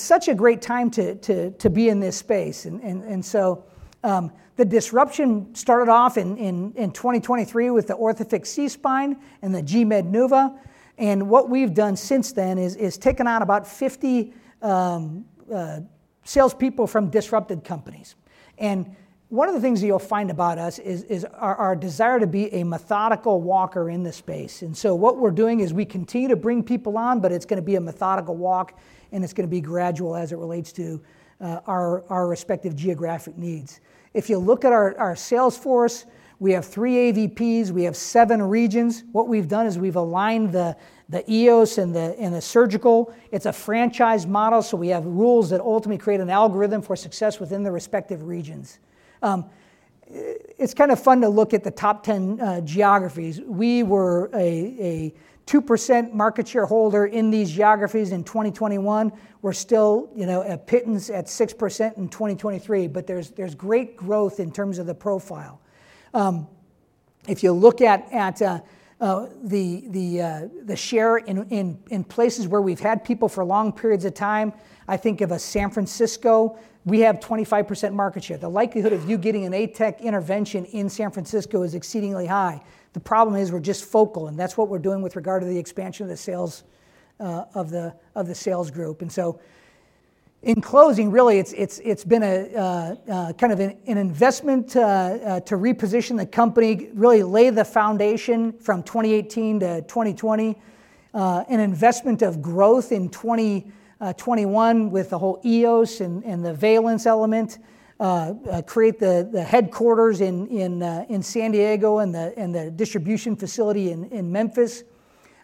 such a great time to be in this space. And so the disruption started off in 2023 with the Orthofix, SeaSpine and the GMED NuVa. And what we've done since then is taken on about 50 salespeople from disrupted companies. And one of the things that you'll find about us is our desire to be a methodical walker in this space. And so what we're doing is we continue to bring people on. But it's going to be a methodical walk. And it's going to be gradual as it relates to our respective geographic needs. If you look at our sales force, we have three AVPs. We have seven regions. What we've done is we've aligned the EOS and the surgical. It's a franchise model. So we have rules that ultimately create an algorithm for success within the respective regions. It's kind of fun to look at the top 10 geographies. We were a 2% market share holder in these geographies in 2021. We're still a pittance at 6% in 2023. But there's great growth in terms of the profile. If you look at the share in places where we've had people for long periods of time, I think of San Francisco. We have 25% market share. The likelihood of you getting an ATEC intervention in San Francisco is exceedingly high. The problem is we're just focal. And that's what we're doing with regard to the expansion of the sales of the sales group. And so in closing, really, it's been kind of an investment to reposition the company, really lay the foundation from 2018 to 2020, an investment of growth in 2021 with the whole EOS and the Valence element, create the headquarters in San Diego and the distribution facility in Memphis.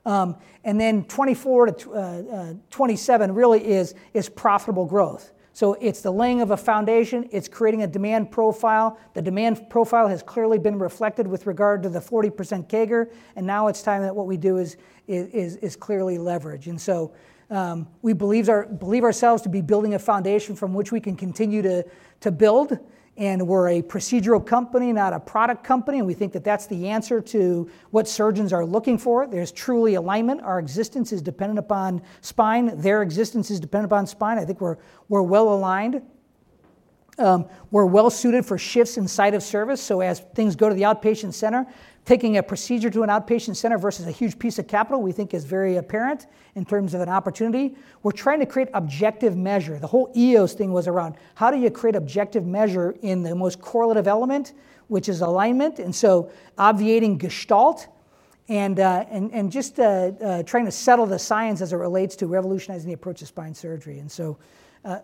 And then 2024 to 2027 really is profitable growth. So it's the laying of a foundation. It's creating a demand profile. The demand profile has clearly been reflected with regard to the 40% CAGR. And now it's time that what we do is clearly leverage. And so we believe ourselves to be building a foundation from which we can continue to build. And we're a procedural company, not a product company. And we think that that's the answer to what surgeons are looking for. There's truly alignment. Our existence is dependent upon spine. Their existence is dependent upon spine. I think we're well aligned. We're well suited for shifts inside of service. So as things go to the outpatient center, taking a procedure to an outpatient center versus a huge piece of capital we think is very apparent in terms of an opportunity. We're trying to create objective measure. The whole EOS thing was around how do you create objective measure in the most correlative element, which is alignment, and so obviating gestalt and just trying to settle the science as it relates to revolutionizing the approach to spine surgery. And so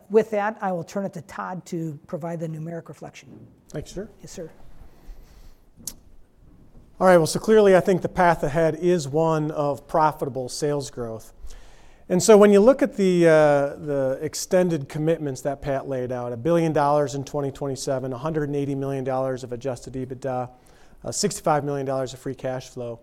with that, I will turn it to Todd to provide the numeric reflection. Thanks, sir. Yes, sir. All right. Well, so clearly, I think the path ahead is one of profitable sales growth. So when you look at the extended commitments that Pat laid out, $1 billion in 2027, $180 million of Adjusted EBITDA, $65 million of free cash flow,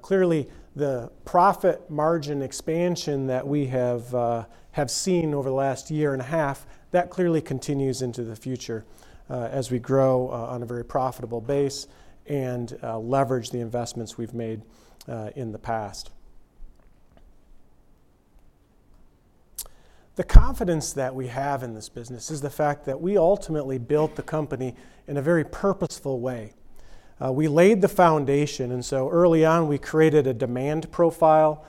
clearly, the profit margin expansion that we have seen over the last year and a half, that clearly continues into the future as we grow on a very profitable base and leverage the investments we've made in the past. The confidence that we have in this business is the fact that we ultimately built the company in a very purposeful way. We laid the foundation. So early on, we created a demand profile.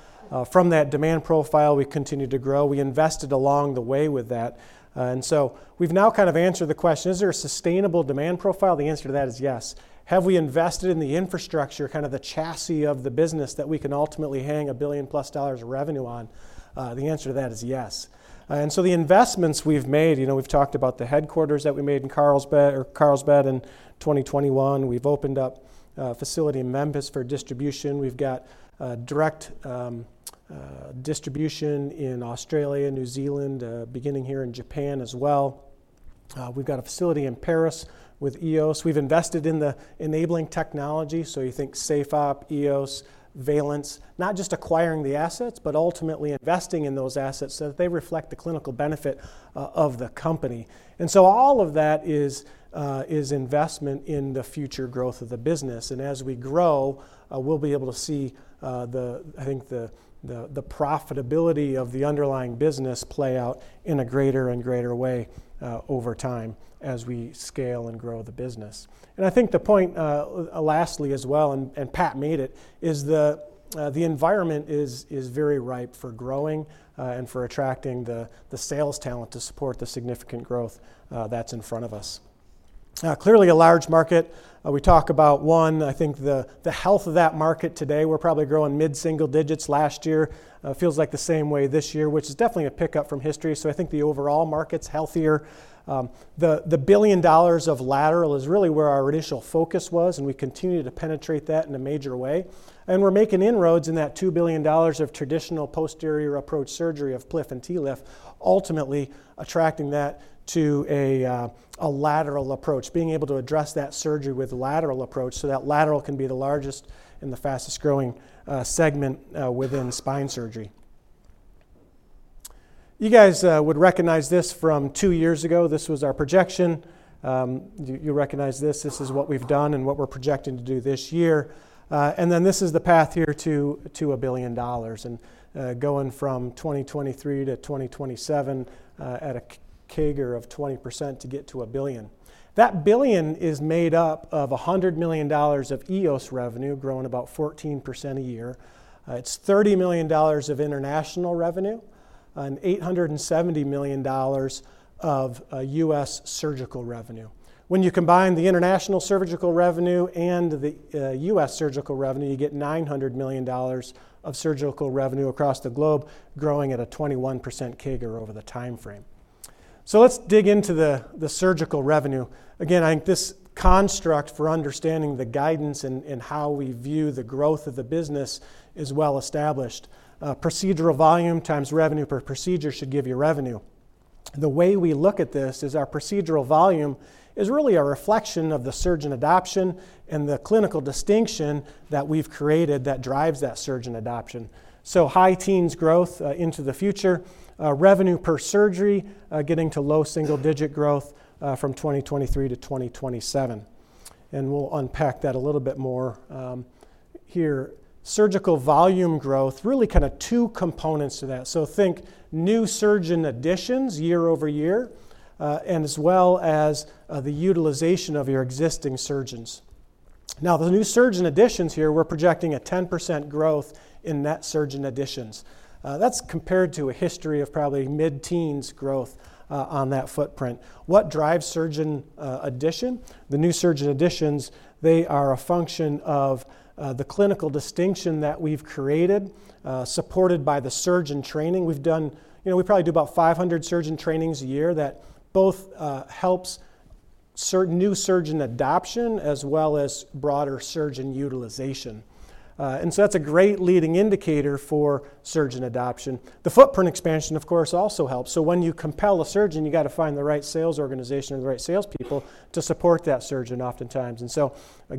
From that demand profile, we continued to grow. We invested along the way with that. So we've now kind of answered the question, is there a sustainable demand profile? The answer to that is yes. Have we invested in the infrastructure, kind of the chassis of the business that we can ultimately hang $1 billion+ of revenue on? The answer to that is yes. And so the investments we've made, we've talked about the headquarters that we made in Carlsbad in 2021. We've opened up a facility in Memphis for distribution. We've got direct distribution in Australia, New Zealand, beginning here in Japan as well. We've got a facility in Paris with EOS. We've invested in the enabling technology. So you think SafeOp, EOS, Valence, not just acquiring the assets but ultimately investing in those assets so that they reflect the clinical benefit of the company. And so all of that is investment in the future growth of the business. As we grow, we'll be able to see, I think, the profitability of the underlying business play out in a greater and greater way over time as we scale and grow the business. And I think the point lastly as well, and Pat made it, is the environment is very ripe for growing and for attracting the sales talent to support the significant growth that's in front of us. Clearly, a large market. We talk about, one, I think the health of that market today. We're probably growing mid-single digits last year. Feels like the same way this year, which is definitely a pickup from history. So I think the overall market's healthier. The $1 billion of lateral is really where our initial focus was. And we continue to penetrate that in a major way. We're making inroads in that $2 billion of traditional posterior approach surgery of PLIF and TLIF, ultimately attracting that to a lateral approach, being able to address that surgery with lateral approach so that lateral can be the largest and the fastest growing segment within spine surgery. You guys would recognize this from two years ago. This was our projection. You recognize this. This is what we've done and what we're projecting to do this year. And then this is the path here to $2 billion and going from 2023 to 2027 at a CAGR of 20% to get to $1 billion. That billion is made up of $100 million of EOS revenue growing about 14% a year. It's $30 million of international revenue and $870 million of U.S. surgical revenue. When you combine the international surgical revenue and the U.S. surgical revenue, you get $900 million of surgical revenue across the globe growing at a 21% CAGR over the time frame. So let's dig into the surgical revenue. Again, I think this construct for understanding the guidance and how we view the growth of the business is well established. Procedural volume times revenue per procedure should give you revenue. The way we look at this is our procedural volume is really a reflection of the surgeon adoption and the clinical distinction that we've created that drives that surgeon adoption. So high teens growth into the future, revenue per surgery getting to low single-digit growth from 2023 to 2027. And we'll unpack that a little bit more here. Surgical volume growth, really kind of two components to that. So, think new surgeon additions year-over-year and as well as the utilization of your existing surgeons. Now, the new surgeon additions here, we're projecting a 10% growth in net surgeon additions. That's compared to a history of probably mid-teens growth on that footprint. What drives surgeon addition? The new surgeon additions, they are a function of the clinical distinction that we've created supported by the surgeon training we've done. We probably do about 500 surgeon trainings a year that both helps new surgeon adoption as well as broader surgeon utilization. And so that's a great leading indicator for surgeon adoption. The footprint expansion, of course, also helps. So when you compel a surgeon, you've got to find the right sales organization or the right salespeople to support that surgeon oftentimes.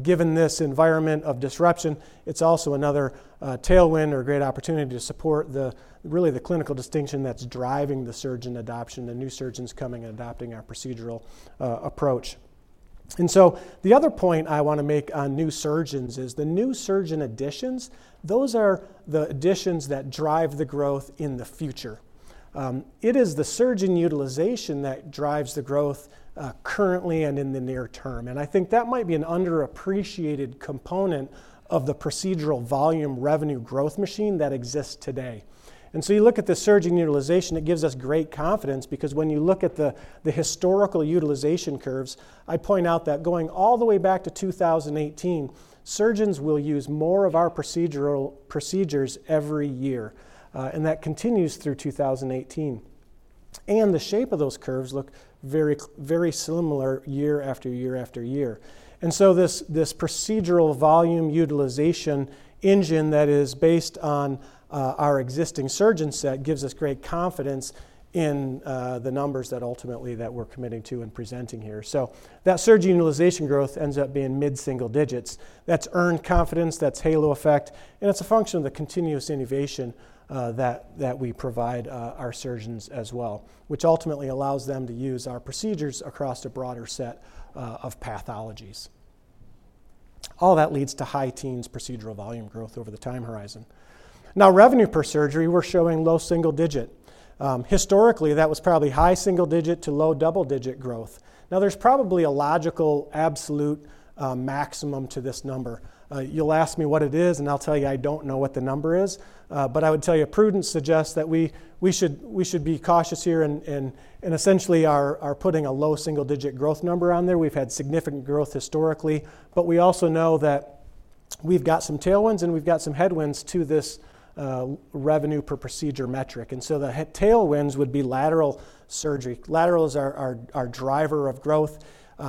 Given this environment of disruption, it's also another tailwind or great opportunity to support really the clinical distinction that's driving the surgeon adoption, the new surgeons coming and adopting our procedural approach. The other point I want to make on new surgeons is the new surgeon additions, those are the additions that drive the growth in the future. It is the surgeon utilization that drives the growth currently and in the near term. And I think that might be an underappreciated component of the procedural volume revenue growth machine that exists today. You look at the surgeon utilization, it gives us great confidence because when you look at the historical utilization curves, I point out that going all the way back to 2018, surgeons will use more of our procedures every year. And that continues through 2018. The shape of those curves look very, very similar year after year after year. So this procedural volume utilization engine that is based on our existing surgeon set gives us great confidence in the numbers that ultimately we're committing to and presenting here. So that surgeon utilization growth ends up being mid-single-digit. That's earned confidence. That's halo effect. And it's a function of the continuous innovation that we provide our surgeons as well, which ultimately allows them to use our procedures across a broader set of pathologies. All that leads to high-teens procedural volume growth over the time horizon. Now, revenue per surgery, we're showing low single-digit. Historically, that was probably high single-digit to low double-digit growth. Now, there's probably a logical absolute maximum to this number. You'll ask me what it is. I'll tell you, I don't know what the number is. But I would tell you, prudence suggests that we should be cautious here and essentially are putting a low single-digit growth number on there. We've had significant growth historically. But we also know that we've got some tailwinds. We've got some headwinds to this revenue per procedure metric. The tailwinds would be lateral surgery. Lateral is our driver of growth.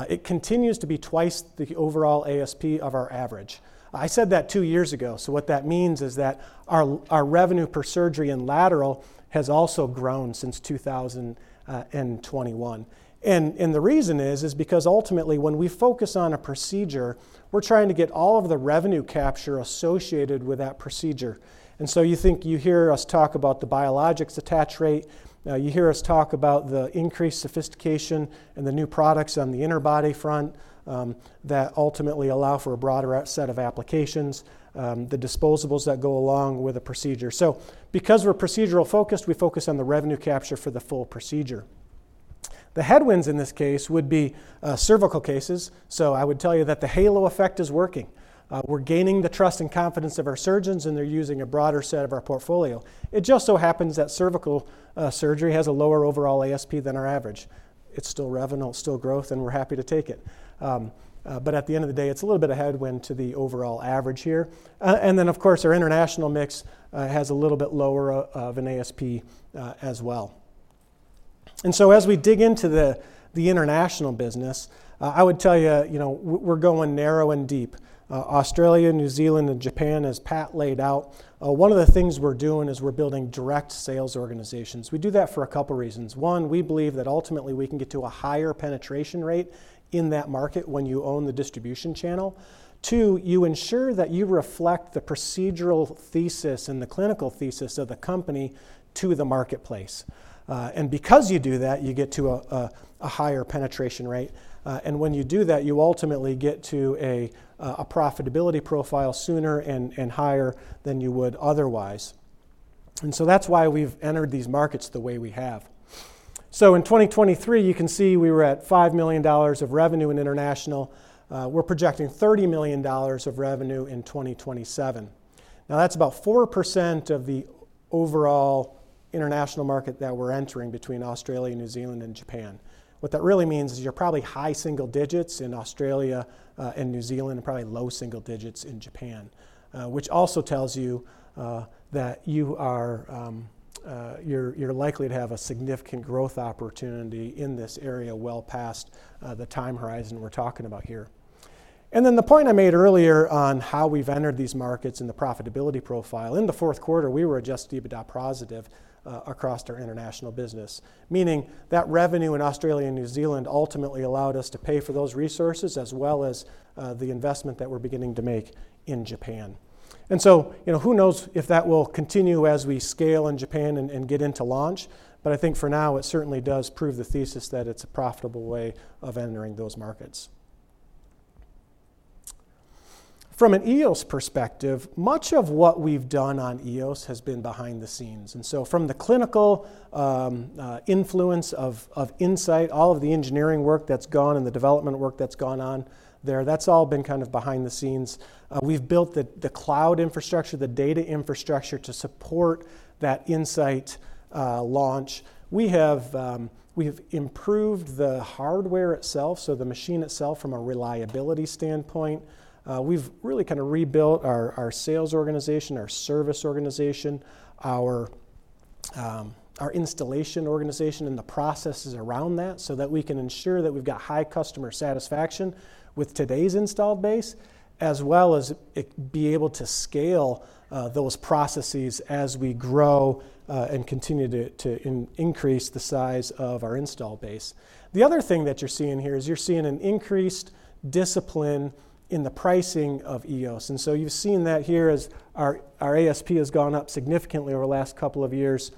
It continues to be twice the overall ASP of our average. I said that two years ago. So what that means is that our revenue per surgery in lateral has also grown since 2021. The reason is because ultimately, when we focus on a procedure, we're trying to get all of the revenue capture associated with that procedure. You think you hear us talk about the biologics attach rate. You hear us talk about the increased sophistication and the new products on the inner body front that ultimately allow for a broader set of applications, the disposables that go along with a procedure. So because we're procedural focused, we focus on the revenue capture for the full procedure. The headwinds in this case would be cervical cases. So I would tell you that the halo effect is working. We're gaining the trust and confidence of our surgeons. And they're using a broader set of our portfolio. It just so happens that cervical surgery has a lower overall ASP than our average. It's still revenue. It's still growth. And we're happy to take it. But at the end of the day, it's a little bit of headwind to the overall average here. And then, of course, our international mix has a little bit lower of an ASP as well. As we dig into the international business, I would tell you, we're going narrow and deep. Australia, New Zealand, and Japan, as Pat laid out, one of the things we're doing is we're building direct sales organizations. We do that for a couple of reasons. One, we believe that ultimately, we can get to a higher penetration rate in that market when you own the distribution channel. Two, you ensure that you reflect the procedural thesis and the clinical thesis of the company to the marketplace. And because you do that, you get to a higher penetration rate. And when you do that, you ultimately get to a profitability profile sooner and higher than you would otherwise. And so that's why we've entered these markets the way we have. So in 2023, you can see we were at $5 million of revenue in international. We're projecting $30 million of revenue in 2027. Now, that's about 4% of the overall international market that we're entering between Australia, New Zealand, and Japan. What that really means is you're probably high single digits in Australia and New Zealand and probably low single digits in Japan, which also tells you that you're likely to have a significant growth opportunity in this area well past the time horizon we're talking about here. And then the point I made earlier on how we've entered these markets and the profitability profile, in the fourth quarter, we were Adjusted EBITDA positive across our international business, meaning that revenue in Australia and New Zealand ultimately allowed us to pay for those resources as well as the investment that we're beginning to make in Japan. And so who knows if that will continue as we scale in Japan and get into launch. But I think for now, it certainly does prove the thesis that it's a profitable way of entering those markets. From an EOS perspective, much of what we've done on EOS has been behind the scenes. And so from the clinical influence of Insight, all of the engineering work that's gone and the development work that's gone on there, that's all been kind of behind the scenes. We've built the cloud infrastructure, the data infrastructure to support that Insight launch. We have improved the hardware itself, so the machine itself, from a reliability standpoint. We've really kind of rebuilt our sales organization, our service organization, our installation organization, and the processes around that so that we can ensure that we've got high customer satisfaction with today's installed base as well as be able to scale those processes as we grow and continue to increase the size of our installed base. The other thing that you're seeing here is you're seeing an increased discipline in the pricing of EOS. And so you've seen that here as our ASP has gone up significantly over the last couple of years.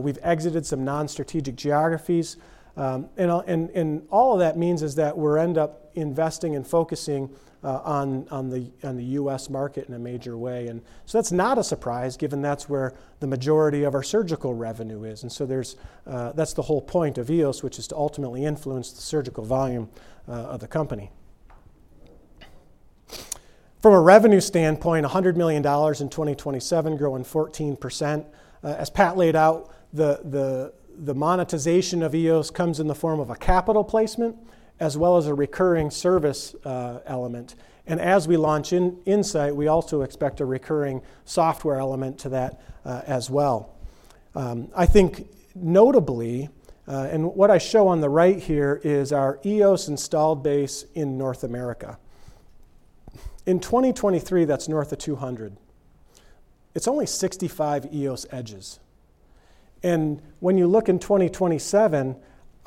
We've exited some non-strategic geographies. And all of that means is that we'll end up investing and focusing on the U.S. market in a major way. And so that's not a surprise given that's where the majority of our surgical revenue is. And so that's the whole point of EOS, which is to ultimately influence the surgical volume of the company. From a revenue standpoint, $100 million in 2027 growing 14%. As Pat laid out, the monetization of EOS comes in the form of a capital placement as well as a recurring service element. And as we launch Insight, we also expect a recurring software element to that as well. I think notably, and what I show on the right here is our EOS installed base in North America. In 2023, that's north of 200. It's only 65 EOSedges. And when you look in 2027,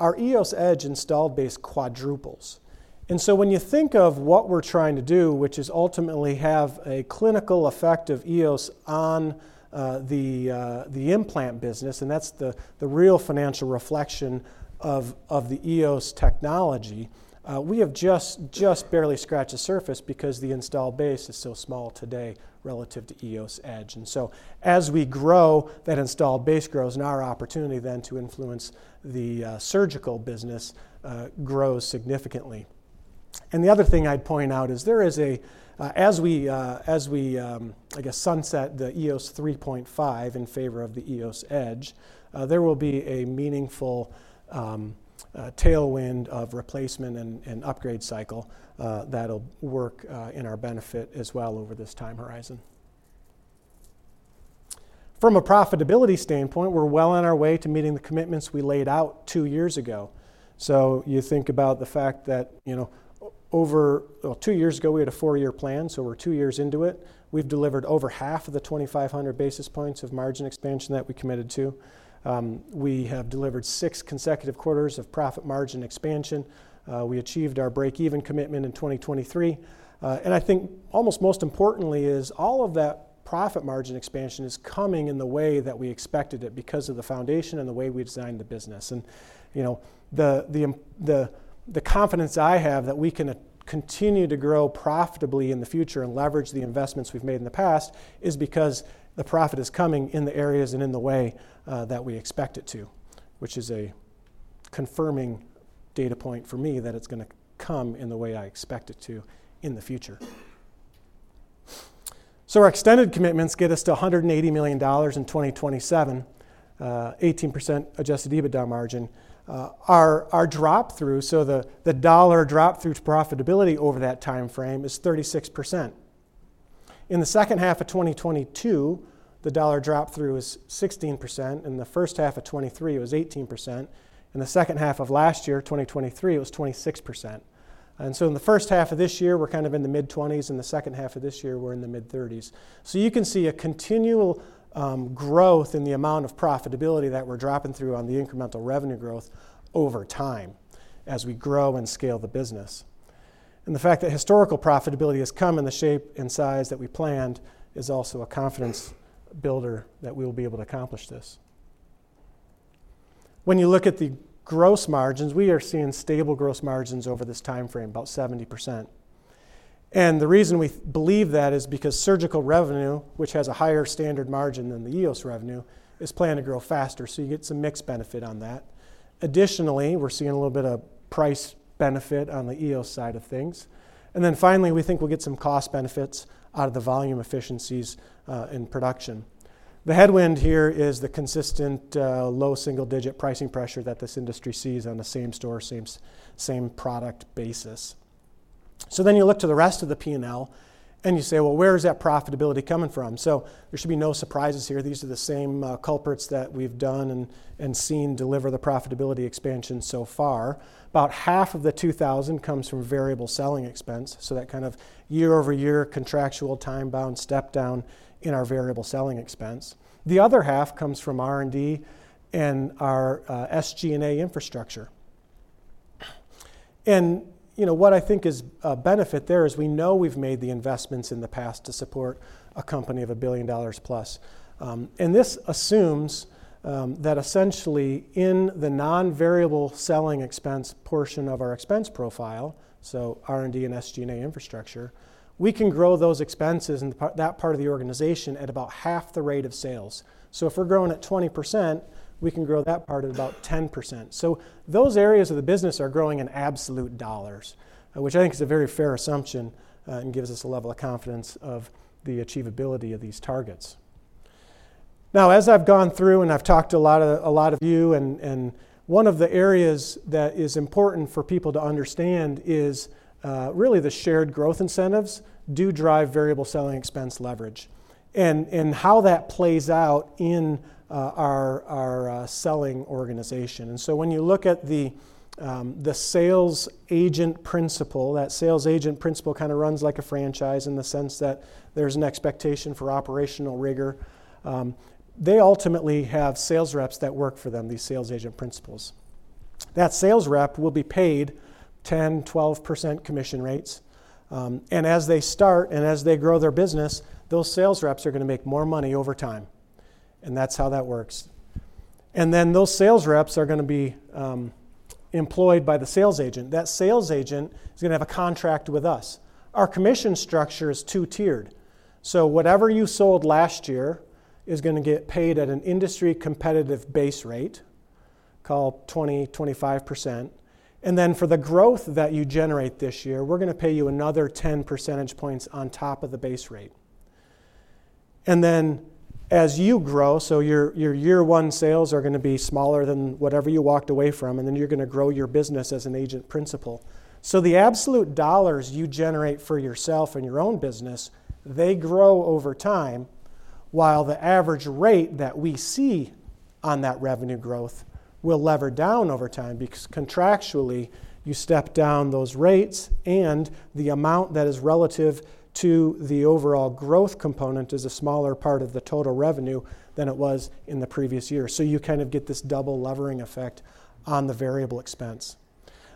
our EOSedge installed base quadruples. And so when you think of what we're trying to do, which is ultimately have a clinical effect of EOS on the implant business, and that's the real financial reflection of the EOS technology, we have just barely scratched the surface because the installed base is so small today relative to EOSedge. And so as we grow, that installed base grows. And our opportunity then to influence the surgical business grows significantly. The other thing I'd point out is there is a, as we, I guess, sunset the EOS 3.5 in favor of the EOSedge, there will be a meaningful tailwind of replacement and upgrade cycle that'll work in our benefit as well over this time horizon. From a profitability standpoint, we're well on our way to meeting the commitments we laid out two years ago. So you think about the fact that over two years ago, we had a four-year plan. So we're two years into it. We've delivered over half of the 2,500 basis points of margin expansion that we committed to. We have delivered six consecutive quarters of profit margin expansion. We achieved our break-even commitment in 2023. I think almost most importantly is all of that profit margin expansion is coming in the way that we expected it because of the foundation and the way we designed the business. The confidence I have that we can continue to grow profitably in the future and leverage the investments we've made in the past is because the profit is coming in the areas and in the way that we expect it to, which is a confirming data point for me that it's going to come in the way I expect it to in the future. Our extended commitments get us to $180 million in 2027, 18% Adjusted EBITDA margin. Our drop-through, so the dollar drop-through to profitability over that time frame is 36%. In the second half of 2022, the dollar drop-through is 16%. In the first half of 2023, it was 18%. In the second half of last year, 2023, it was 26%. And so in the first half of this year, we're kind of in the mid-20s. In the second half of this year, we're in the mid-30s. So you can see a continual growth in the amount of profitability that we're dropping through on the incremental revenue growth over time as we grow and scale the business. And the fact that historical profitability has come in the shape and size that we planned is also a confidence builder that we will be able to accomplish this. When you look at the gross margins, we are seeing stable gross margins over this time frame, about 70%. And the reason we believe that is because surgical revenue, which has a higher standard margin than the EOS revenue, is planned to grow faster. So you get some mixed benefit on that. Additionally, we're seeing a little bit of price benefit on the EOS side of things. And then finally, we think we'll get some cost benefits out of the volume efficiencies in production. The headwind here is the consistent low single-digit pricing pressure that this industry sees on the same-store, same-product basis. So then you look to the rest of the P&L. And you say, well, where is that profitability coming from? So there should be no surprises here. These are the same culprits that we've done and seen deliver the profitability expansion so far. About half of the 2,000 comes from variable selling expense. So that kind of year-over-year contractual time-bound step-down in our variable selling expense. The other half comes from R&D and our SG&A infrastructure. What I think is a benefit there is we know we've made the investments in the past to support a company of $1 billion plus. This assumes that essentially, in the non-variable selling expense portion of our expense profile, so R&D and SG&A infrastructure, we can grow those expenses in that part of the organization at about half the rate of sales. If we're growing at 20%, we can grow that part at about 10%. Those areas of the business are growing in absolute dollars, which I think is a very fair assumption and gives us a level of confidence of the achievability of these targets. Now, as I've gone through and I've talked to a lot of you, and one of the areas that is important for people to understand is really the shared growth incentives do drive variable selling expense leverage and how that plays out in our selling organization. So when you look at the sales agent principal, that sales agent principal kind of runs like a franchise in the sense that there's an expectation for operational rigor. They ultimately have sales reps that work for them, these sales agent principals. That sales rep will be paid 10%, 12% commission rates. And as they start and as they grow their business, those sales reps are going to make more money over time. And that's how that works. And then those sales reps are going to be employed by the sales agent. That sales agent is going to have a contract with us. Our commission structure is two-tiered. So whatever you sold last year is going to get paid at an industry competitive base rate called 20%-25%. And then for the growth that you generate this year, we're going to pay you another 10 percentage points on top of the base rate. And then as you grow, so your year-one sales are going to be smaller than whatever you walked away from. And then you're going to grow your business as an agent principle. So the absolute dollars you generate for yourself and your own business, they grow over time. While the average rate that we see on that revenue growth will lever down over time because contractually, you step down those rates. And the amount that is relative to the overall growth component is a smaller part of the total revenue than it was in the previous year. So you kind of get this double levering effect on the variable expense.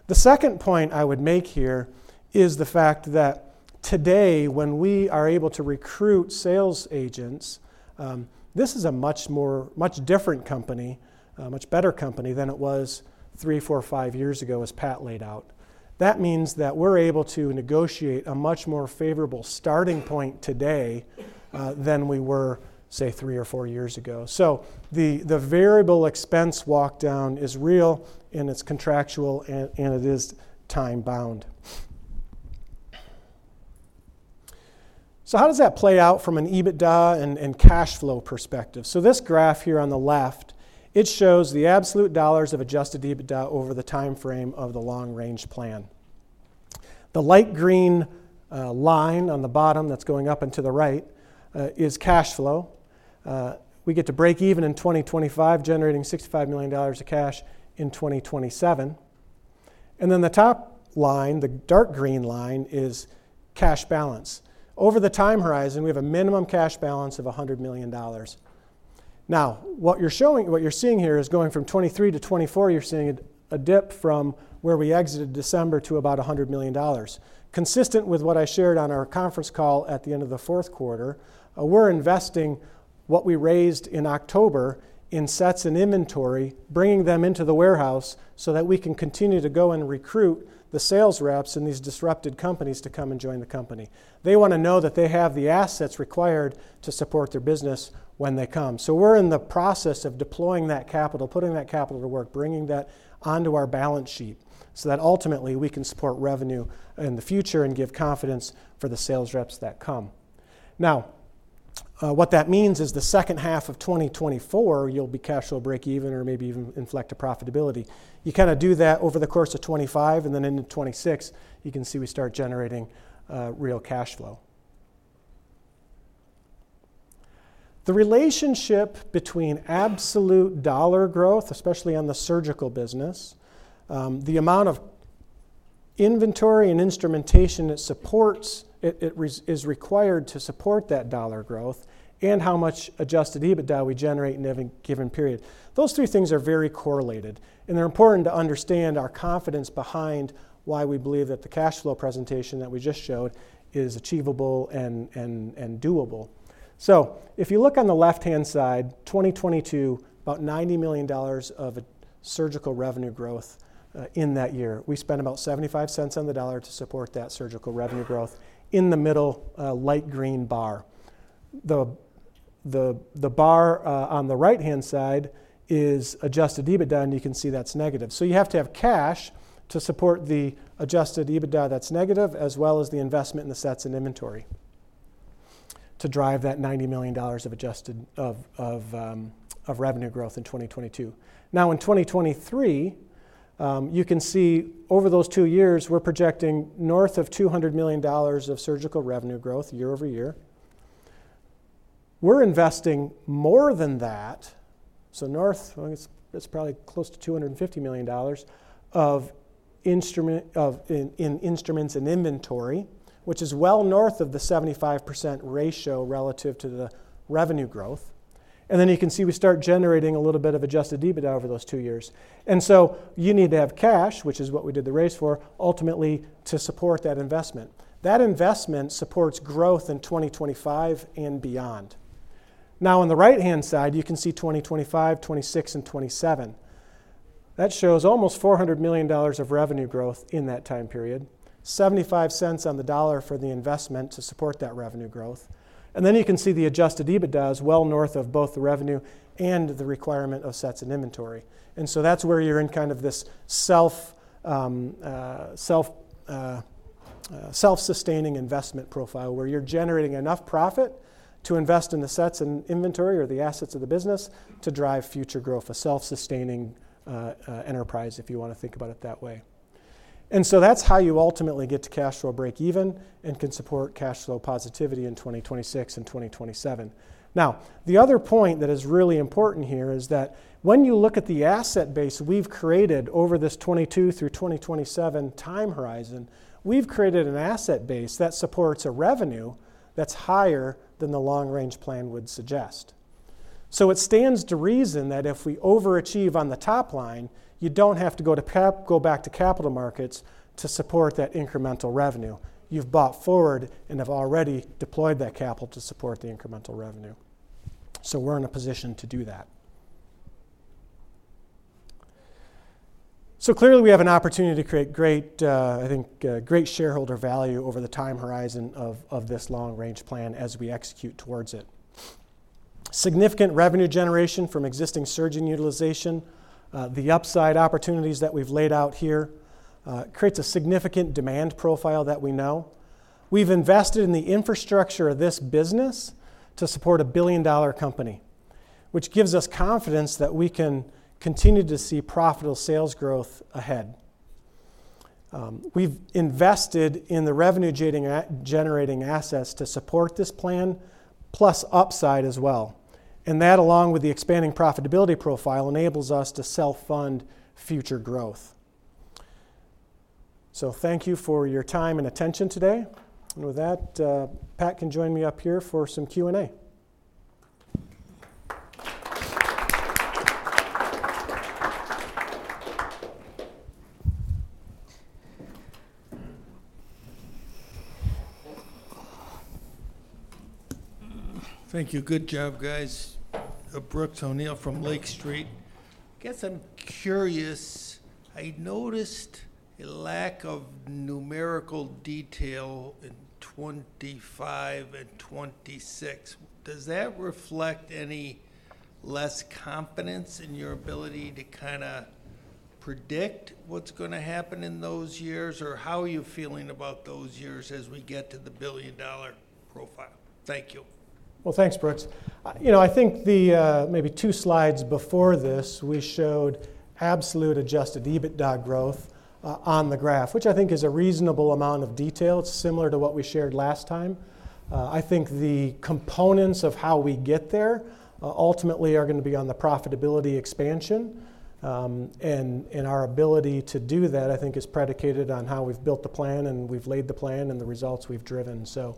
The second point I would make here is the fact that today, when we are able to recruit sales agents, this is a much different company, a much better company than it was three, four, five years ago, as Pat laid out. That means that we're able to negotiate a much more favorable starting point today than we were, say, three or four years ago. So the variable expense walkdown is real, and it's contractual, and it is time-bound. So how does that play out from an EBITDA and cash flow perspective? So this graph here on the left, it shows the absolute dollars of Adjusted EBITDA over the time frame of the long-range plan. The light green line on the bottom that's going up and to the right is cash flow. We get to break even in 2025, generating $65 million of cash in 2027. Then the top line, the dark green line, is cash balance. Over the time horizon, we have a minimum cash balance of $100 million. Now, what you're seeing here is going from 2023 to 2024, you're seeing a dip from where we exited December to about $100 million, consistent with what I shared on our conference call at the end of the fourth quarter. We're investing what we raised in October in sets and inventory, bringing them into the warehouse so that we can continue to go and recruit the sales reps in these disrupted companies to come and join the company. They want to know that they have the assets required to support their business when they come. So we're in the process of deploying that capital, putting that capital to work, bringing that onto our balance sheet so that ultimately we can support revenue in the future and give confidence for the sales reps that come. Now, what that means is the second half of 2024, you'll be cash flow break-even or maybe even inflect a profitability. You kind of do that over the course of 2025. And then into 2026, you can see we start generating real cash flow. The relationship between absolute dollar growth, especially on the surgical business, the amount of inventory and instrumentation that is required to support that dollar growth, and how much Adjusted EBITDA we generate in a given period, those three things are very correlated. And they're important to understand our confidence behind why we believe that the cash flow presentation that we just showed is achievable and doable. So if you look on the left-hand side, 2022, about $90 million of surgical revenue growth in that year. We spent about $0.75 on the dollar to support that surgical revenue growth in the middle light green bar. The bar on the right-hand side is Adjusted EBITDA. And you can see that's negative. So you have to have cash to support the Adjusted EBITDA that's negative as well as the investment in the sets and inventory to drive that $90 million of revenue growth in 2022. Now, in 2023, you can see over those two years, we're projecting north of $200 million of surgical revenue growth year-over-year. We're investing more than that. So north, it's probably close to $250 million in instruments and inventory, which is well north of the 75% ratio relative to the revenue growth. And then you can see we start generating a little bit of Adjusted EBITDA over those two years. And so you need to have cash, which is what we did the raise for, ultimately to support that investment. That investment supports growth in 2025 and beyond. Now, on the right-hand side, you can see 2025, 2026, and 2027. That shows almost $400 million of revenue growth in that time period, $0.75 on the dollar for the investment to support that revenue growth. And then you can see the Adjusted EBITDA is well north of both the revenue and the requirement of sets and inventory. And so that's where you're in kind of this self-sustaining investment profile where you're generating enough profit to invest in the sets and inventory or the assets of the business to drive future growth, a self-sustaining enterprise if you want to think about it that way. And so that's how you ultimately get to cash flow break-even and can support cash flow positivity in 2026 and 2027. Now, the other point that is really important here is that when you look at the asset base we've created over this 2022 through 2027 time horizon, we've created an asset base that supports a revenue that's higher than the long-range plan would suggest. So it stands to reason that if we overachieve on the top line, you don't have to go back to capital markets to support that incremental revenue. You've bought forward and have already deployed that capital to support the incremental revenue. So we're in a position to do that. So clearly, we have an opportunity to create great, I think, great shareholder value over the time horizon of this long-range plan as we execute towards it. Significant revenue generation from existing surgeon utilization, the upside opportunities that we've laid out here creates a significant demand profile that we know. We've invested in the infrastructure of this business to support a billion dollar company, which gives us confidence that we can continue to see profitable sales growth ahead. We've invested in the revenue-generating assets to support this plan, plus upside as well. And that, along with the expanding profitability profile, enables us to self-fund future growth. So thank you for your time and attention today. And with that, Pat can join me up here for some Q&A. Thank you. Good job, guys. Brooks O'Neil from Lake Street. I guess I'm curious. I noticed a lack of numerical detail in 2025 and 2026. Does that reflect any less confidence in your ability to kind of predict what's going to happen in those years? Or how are you feeling about those years as we get to the billion dollar profile? Thank you. Well, thanks, Brooks. I think maybe two slides before this, we showed absolute Adjusted EBITDA growth on the graph, which I think is a reasonable amount of detail. It's similar to what we shared last time. I think the components of how we get there ultimately are going to be on the profitability expansion. And our ability to do that, I think, is predicated on how we've built the plan and we've laid the plan and the results we've driven. So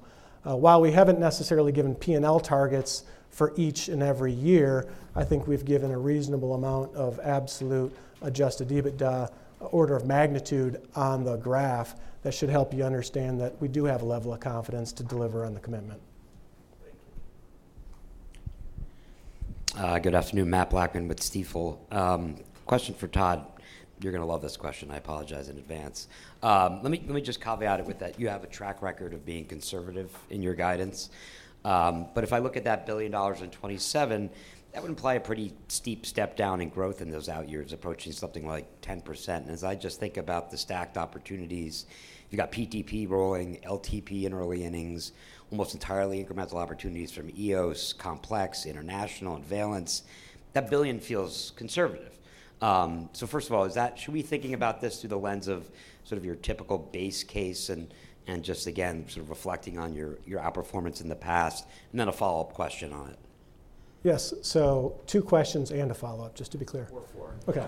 while we haven't necessarily given P&L targets for each and every year, I think we've given a reasonable amount of absolute Adjusted EBITDA, order of magnitude, on the graph that should help you understand that we do have a level of confidence to deliver on the commitment. Thank you. Good afternoon. Matt Blackman with Stifel. Question for Todd. You're going to love this question. I apologize in advance. Let me just caveat it with that. You have a track record of being conservative in your guidance. But if I look at that $1 billion in 2027, that would imply a pretty steep step down in growth in those out years, approaching something like 10%. And as I just think about the stacked opportunities, you've got PTP rolling, LTP in early innings, almost entirely incremental opportunities from EOS, Complex, International, and Valence, that billion feels conservative. So first of all, should we be thinking about this through the lens of sort of your typical base case and just, again, sort of reflecting on your outperformance in the past? And then a follow-up question on it. Yes. So two questions and a follow-up, just to be clear. Or four. OK.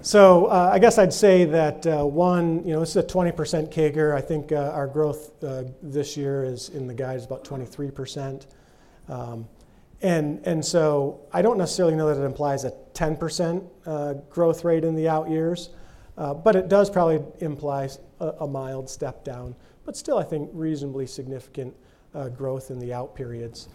So I guess I'd say that, one, this is a 20% CAGR. I think our growth this year is in the guidance about 23%. And so I don't necessarily know that it implies a 10% growth rate in the out years. But it does probably imply a mild step down. But still, I think reasonably significant growth in the out periods,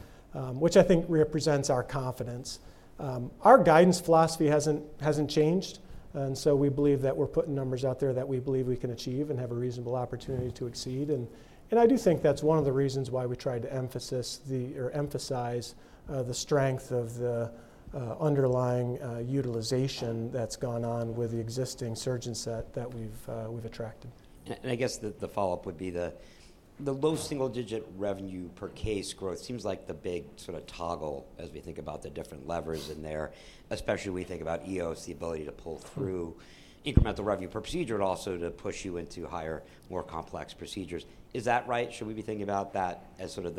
which I think represents our confidence. Our guidance philosophy hasn't changed. And so we believe that we're putting numbers out there that we believe we can achieve and have a reasonable opportunity to exceed. And I do think that's one of the reasons why we tried to emphasize the strength of the underlying utilization that's gone on with the existing surgeon set that we've attracted. I guess the follow-up would be the low single-digit revenue per case growth seems like the big sort of toggle as we think about the different levers in there, especially when we think about EOS, the ability to pull through incremental revenue per procedure, but also to push you into higher, more complex procedures. Is that right? Should we be thinking about that as sort of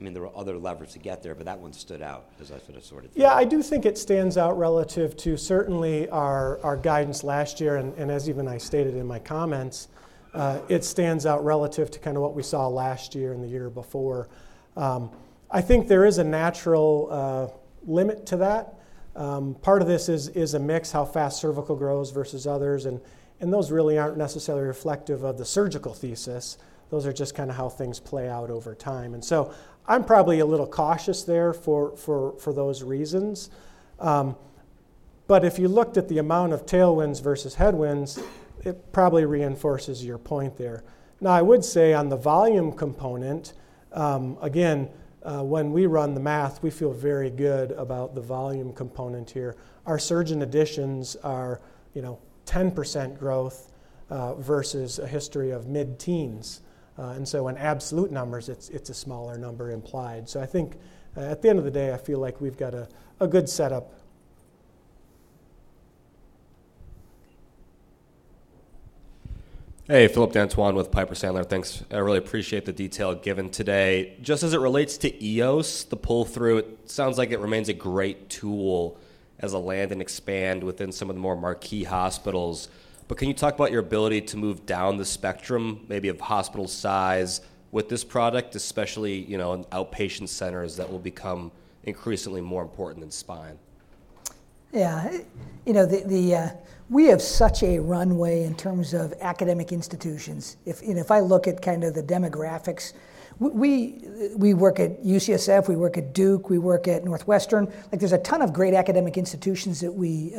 the—I mean, there are other levers to get there. But that one stood out as I sort of sorted through it. Yeah. I do think it stands out relative to certainly our guidance last year. As even I stated in my comments, it stands out relative to kind of what we saw last year and the year before. I think there is a natural limit to that. Part of this is a mix, how fast cervical grows versus others. Those really aren't necessarily reflective of the surgical thesis. Those are just kind of how things play out over time. So I'm probably a little cautious there for those reasons. But if you looked at the amount of tailwinds versus headwinds, it probably reinforces your point there. Now, I would say on the volume component, again, when we run the math, we feel very good about the volume component here. Our surgeon additions are 10% growth versus a history of mid-teens. In absolute numbers, it's a smaller number implied. I think at the end of the day, I feel like we've got a good setup. Hey, Phillip Dantoin with Piper Sandler. Thanks. I really appreciate the detail given today. Just as it relates to EOS, the pull-through, it sounds like it remains a great tool as a land and expand within some of the more marquee hospitals. But can you talk about your ability to move down the spectrum, maybe of hospital size, with this product, especially in outpatient centers that will become increasingly more important than spine? Yeah. We have such a runway in terms of academic institutions. If I look at kind of the demographics, we work at UCSF. We work at Duke. We work at Northwestern. There's a ton of great academic institutions that we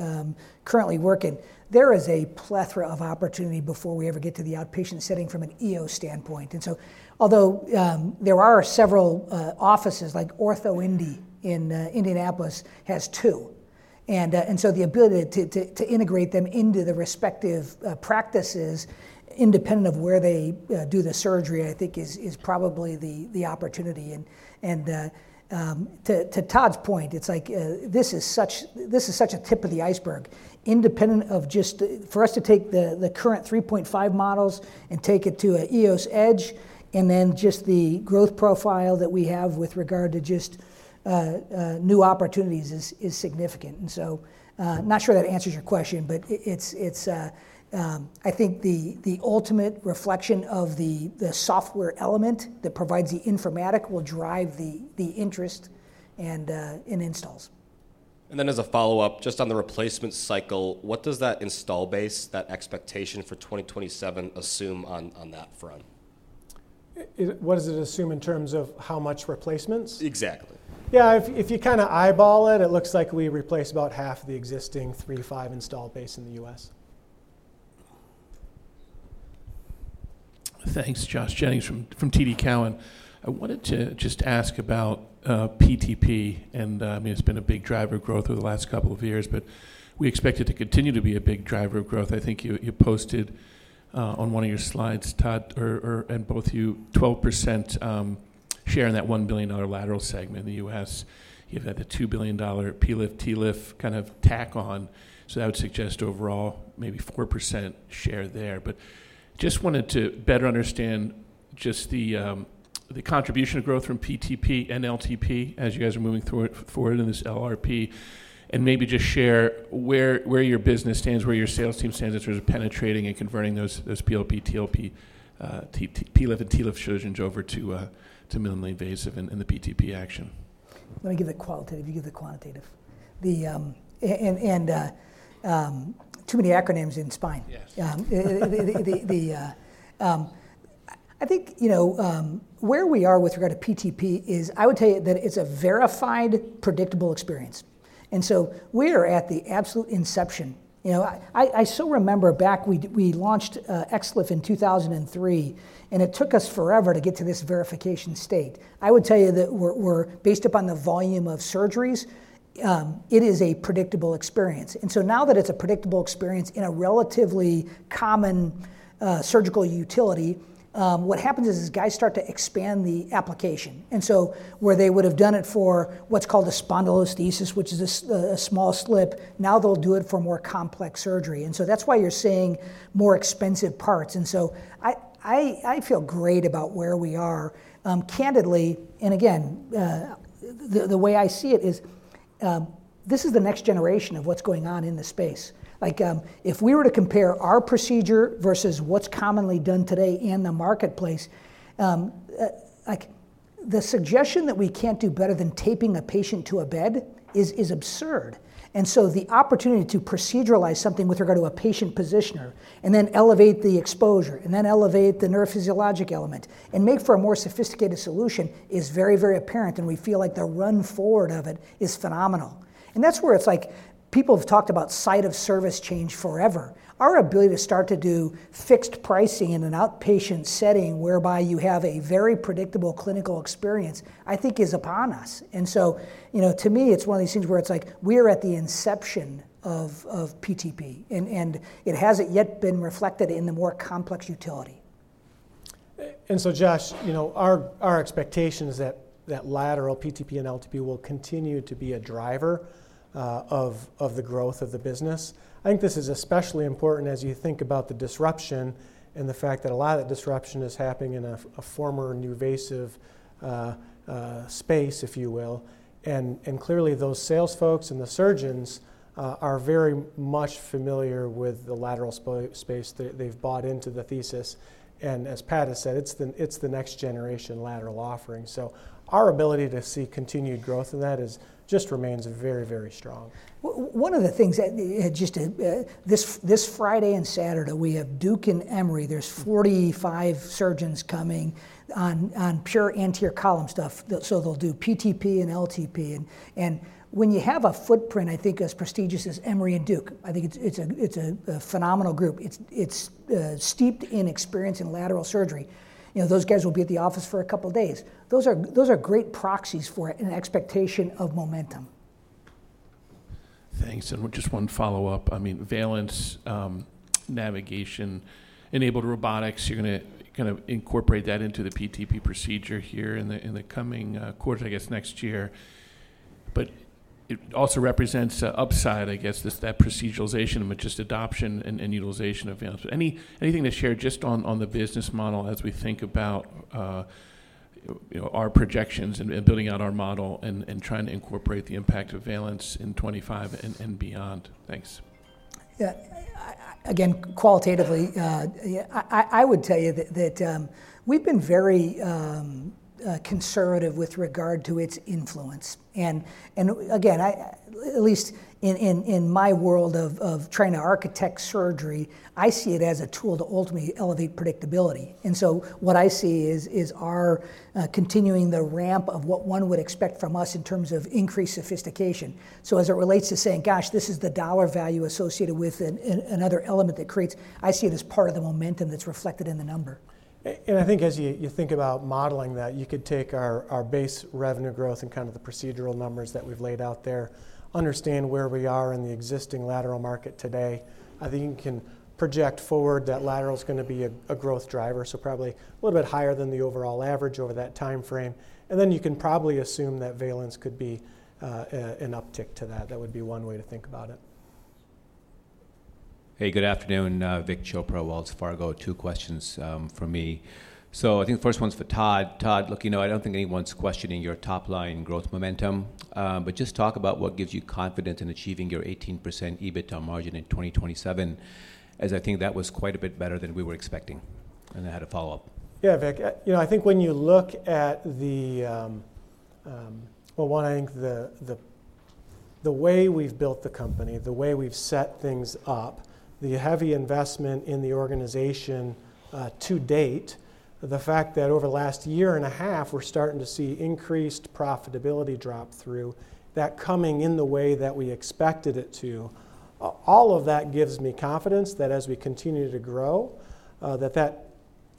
currently work in. There is a plethora of opportunity before we ever get to the outpatient setting from an EOS standpoint. And so although there are several offices, like OrthoIndy in Indianapolis has two. And so the ability to integrate them into the respective practices, independent of where they do the surgery, I think, is probably the opportunity. And to Todd's point, it's like this is such a tip of the iceberg, independent of just for us to take the current 3.5 models and take it to an EOSedge and then just the growth profile that we have with regard to just new opportunities is significant. Not sure that answers your question. But I think the ultimate reflection of the software element that provides the informatics will drive the interest in installs. Then as a follow-up, just on the replacement cycle, what does that installed base, that expectation for 2027, assume on that front? What does it assume in terms of how much replacements? Exactly. Yeah. If you kind of eyeball it, it looks like we replace about half the existing three-five installed base in the U.S. Thanks, Josh Jennings from TD Cowen. I wanted to just ask about PTP. I mean, it's been a big driver of growth over the last couple of years. But we expect it to continue to be a big driver of growth. I think you posted on one of your slides, Todd and both you, 12% share in that $1 billion lateral segment in the U.S. You've had the $2 billion PLIF, TLIF kind of tack on. So that would suggest overall maybe 4% share there. But just wanted to better understand just the contribution of growth from PTP and LTP as you guys are moving forward in this LRP. And maybe just share where your business stands, where your sales team stands in terms of penetrating and converting those PLIF, TLIF, PLIF, and TLIF surgeons over to minimally invasive in the PTP action. Let me give it qualitative if you give the quantitative. And too many acronyms in spine. I think where we are with regard to PTP is I would tell you that it's a verified, predictable experience. And so we are at the absolute inception. I so remember back we launched XLIF in 2003. And it took us forever to get to this verification state. I would tell you that based upon the volume of surgeries, it is a predictable experience. And so now that it's a predictable experience in a relatively common surgical utility, what happens is these guys start to expand the application. And so where they would have done it for what's called a spondylolisthesis, which is a small slip, now they'll do it for more complex surgery. And so that's why you're seeing more expensive parts. And so I feel great about where we are. Candidly, and again, the way I see it is this is the next generation of what's going on in the space. If we were to compare our procedure versus what's commonly done today in the marketplace, the suggestion that we can't do better than taping a patient to a bed is absurd. And so the opportunity to proceduralize something with regard to a patient positioner and then elevate the exposure and then elevate the neurophysiologic element and make for a more sophisticated solution is very, very apparent. And we feel like the run forward of it is phenomenal. And that's where it's like people have talked about site of service change forever. Our ability to start to do fixed pricing in an outpatient setting whereby you have a very predictable clinical experience, I think, is upon us. So to me, it's one of these things where it's like we are at the inception of PTP. It hasn't yet been reflected in the more complex utility. So, Josh, our expectation is that lateral PTP and LTP will continue to be a driver of the growth of the business. I think this is especially important as you think about the disruption and the fact that a lot of that disruption is happening in a former NuVasive space, if you will. Clearly, those sales folks and the surgeons are very much familiar with the lateral space that they've bought into the thesis. As Pat has said, it's the next generation lateral offering. Our ability to see continued growth in that just remains very, very strong. One of the things just this Friday and Saturday, we have Duke and Emory. There's 45 surgeons coming on pure anterior column stuff. So they'll do PTP and LTP. And when you have a footprint, I think, as prestigious as Emory and Duke, I think it's a phenomenal group. It's steeped in experience in lateral surgery. Those guys will be at the office for a couple of days. Those are great proxies for an expectation of momentum. Thanks. And just one follow-up. I mean, Valence, navigation, enabled robotics, you're going to kind of incorporate that into the PTP procedure here in the coming quarter, I guess, next year. But it also represents upside, I guess, that proceduralization and just adoption and utilization of Valence. Anything to share just on the business model as we think about our projections and building out our model and trying to incorporate the impact of Valence in 2025 and beyond? Thanks. Yeah. Again, qualitatively, I would tell you that we've been very conservative with regard to its influence. And again, at least in my world of trying to architect surgery, I see it as a tool to ultimately elevate predictability. And so what I see is our continuing the ramp of what one would expect from us in terms of increased sophistication. So as it relates to saying, gosh, this is the dollar value associated with another element that creates, I see it as part of the momentum that's reflected in the number. I think as you think about modeling that, you could take our base revenue growth and kind of the procedural numbers that we've laid out there, understand where we are in the existing lateral market today. I think you can project forward that lateral is going to be a growth driver, so probably a little bit higher than the overall average over that time frame. Then you can probably assume that Valence could be an uptick to that. That would be one way to think about it. Hey, good afternoon. Vik Chopra, Wells Fargo. Two questions from me. So I think the first one's for Todd. Todd, look, I don't think anyone's questioning your top-line growth momentum. But just talk about what gives you confidence in achieving your 18% EBITDA margin in 2027, as I think that was quite a bit better than we were expecting. And I had a follow-up. Yeah, Vik. I think when you look at it, well, one, I think the way we've built the company, the way we've set things up, the heavy investment in the organization to date, the fact that over the last year and a half, we're starting to see increased profitability drop through, that coming in the way that we expected it to, all of that gives me confidence that as we continue to grow, that that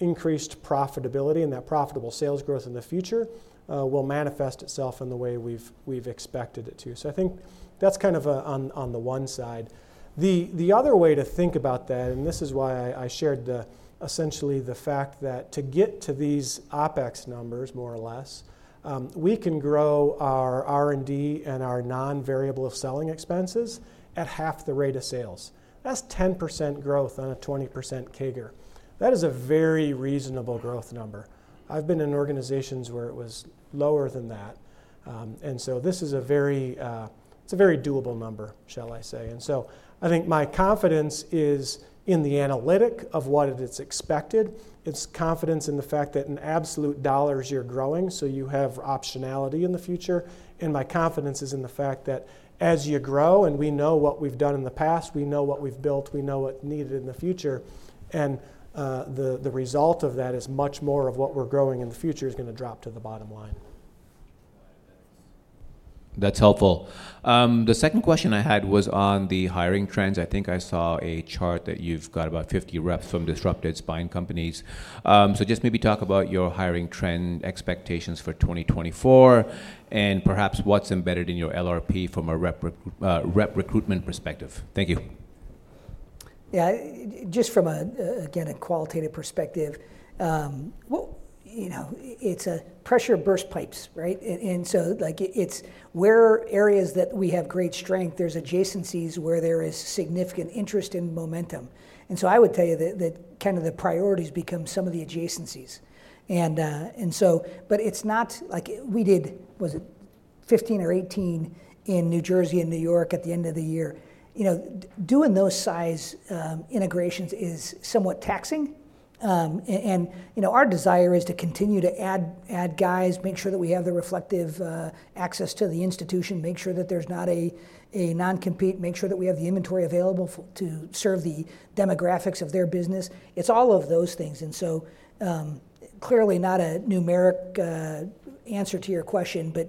increased profitability and that profitable sales growth in the future will manifest itself in the way we've expected it to. So I think that's kind of on the one side. The other way to think about that, and this is why I shared essentially the fact that to get to these OpEx numbers, more or less, we can grow our R&D and our non-variable selling expenses at half the rate of sales. That's 10% growth on a 20% CAGR. That is a very reasonable growth number. I've been in organizations where it was lower than that. And so this is a very, very doable number, shall I say. And so I think my confidence is in the analysis of what it's expected. It's confidence in the fact that in absolute dollars, you're growing. So you have optionality in the future. And my confidence is in the fact that as you grow and we know what we've done in the past, we know what we've built, we know what's needed in the future. And the result of that is much more of what we're growing in the future is going to drop to the bottom line. That's helpful. The second question I had was on the hiring trends. I think I saw a chart that you've got about 50 reps from disruptive spine companies. So just maybe talk about your hiring trend expectations for 2024 and perhaps what's embedded in your LRP from a rep recruitment perspective. Thank you. Yeah. Just from, again, a qualitative perspective, it's a pressure burst pipes, right? So where areas that we have great strength, there's adjacencies where there is significant interest in momentum. So I would tell you that kind of the priorities become some of the adjacencies. But it's not like we did, was it 15 or 18 in New Jersey and New York at the end of the year. Doing those size integrations is somewhat taxing. Our desire is to continue to add guys, make sure that we have the reflective access to the institution, make sure that there's not a non-compete, make sure that we have the inventory available to serve the demographics of their business. It's all of those things. So clearly, not a numeric answer to your question. But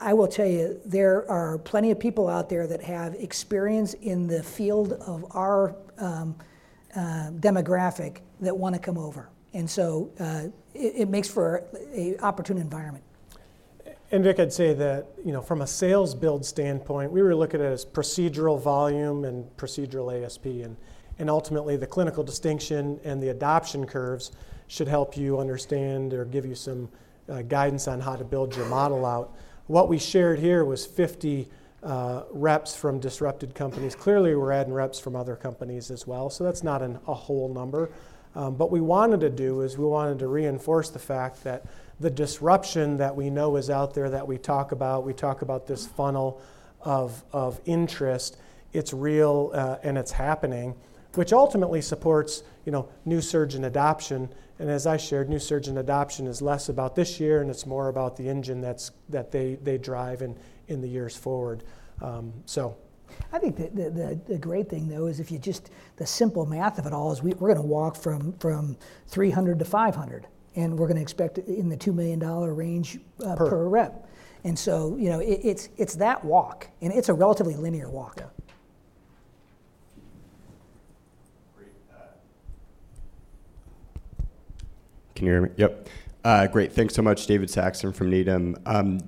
I will tell you, there are plenty of people out there that have experience in the field of our demographic that want to come over. And so it makes for an opportune environment. And Vik, I'd say that from a sales build standpoint, we were looking at it as procedural volume and procedural ASP. And ultimately, the clinical distinction and the adoption curves should help you understand or give you some guidance on how to build your model out. What we shared here was 50 reps from disruptive companies. Clearly, we're adding reps from other companies as well. So that's not a whole number. But what we wanted to do is we wanted to reinforce the fact that the disruption that we know is out there that we talk about, we talk about this funnel of interest, it's real, and it's happening, which ultimately supports new surgeon adoption. And as I shared, new surgeon adoption is less about this year. And it's more about the engine that they drive in the years forward. I think the great thing, though, is if you just the simple math of it all is we're going to walk from 300 to 500. And we're going to expect in the $2 million range per rep. And so it's that walk. And it's a relatively linear walk. Can you hear me? Yep. Great. Thanks so much, David Saxon from Needham.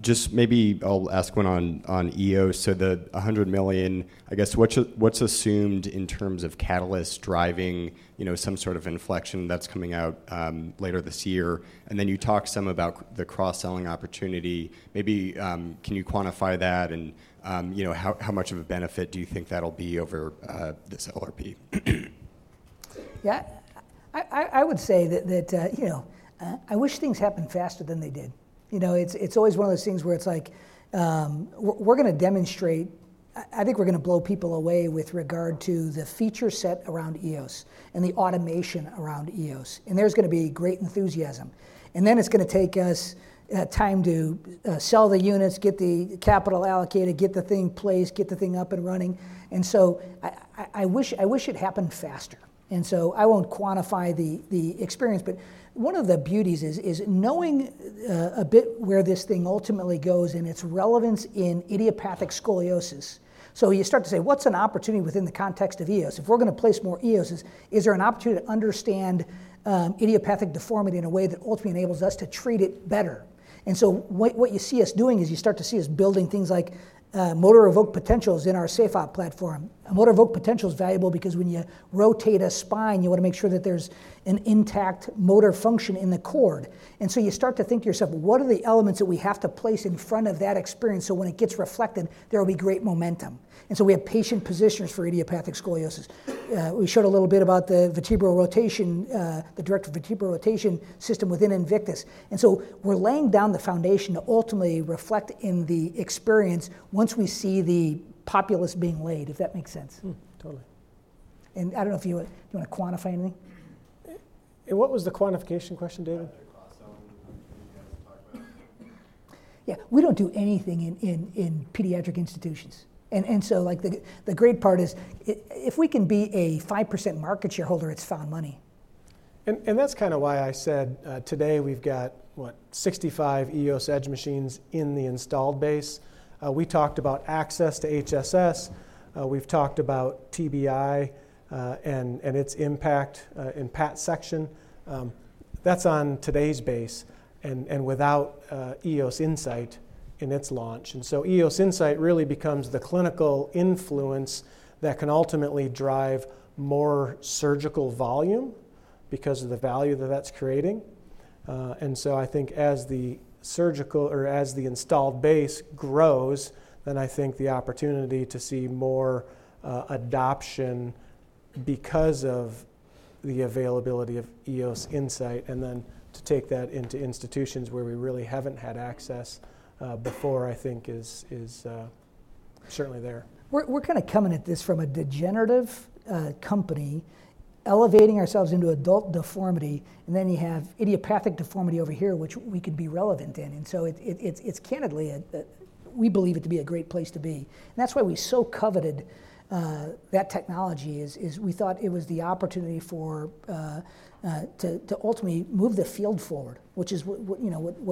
Just maybe I'll ask one on EOS. So the $100 million, I guess, what's assumed in terms of catalysts driving some sort of inflection that's coming out later this year? And then you talked some about the cross-selling opportunity. Maybe can you quantify that? And how much of a benefit do you think that'll be over this LRP? Yeah. I would say that I wish things happened faster than they did. It's always one of those things where it's like we're going to demonstrate I think we're going to blow people away with regard to the feature set around EOS and the automation around EOS. There's going to be great enthusiasm. Then it's going to take us time to sell the units, get the capital allocated, get the thing placed, get the thing up and running. So I wish it happened faster. So I won't quantify the experience. But one of the beauties is knowing a bit where this thing ultimately goes and its relevance in idiopathic scoliosis. So you start to say, what's an opportunity within the context of EOS? If we're going to place more EOSes, is there an opportunity to understand idiopathic deformity in a way that ultimately enables us to treat it better? What you see us doing is you start to see us building things like Motor Evoked Potentials in our SafeOp platform. Motor Evoked Potential is valuable because when you rotate a spine, you want to make sure that there's an intact motor function in the cord. You start to think to yourself, what are the elements that we have to place in front of that experience so when it gets reflected, there will be great momentum? We have patient positioners for idiopathic scoliosis. We showed a little bit about the vertebral rotation, the direct vertebral rotation system within Invictus. And so we're laying down the foundation to ultimately reflect in the experience once we see the populace being laid, if that makes sense. Totally. I don't know if you want to quantify anything. What was the quantification question, David? Your class own opportunity to talk about. Yeah. We don't do anything in pediatric institutions. And so the great part is if we can be a 5% market shareholder, it's found money. And that's kind of why I said today, we've got, what, 65 EOSedge machines in the installed base. We talked about access to HSS. We've talked about TBI and its impact in Pat's section. That's on today's base and without EOS Insight in its launch. And so EOS Insight really becomes the clinical influence that can ultimately drive more surgical volume because of the value that that's creating. And so I think as the surgical or as the installed base grows, then I think the opportunity to see more adoption because of the availability of EOS Insight and then to take that into institutions where we really haven't had access before, I think, is certainly there. We're kind of coming at this from a degenerative company, elevating ourselves into adult deformity. Then you have idiopathic deformity over here, which we could be relevant in. So, candidly, we believe it to be a great place to be. That's why we so coveted that technology is we thought it was the opportunity to ultimately move the field forward, which is what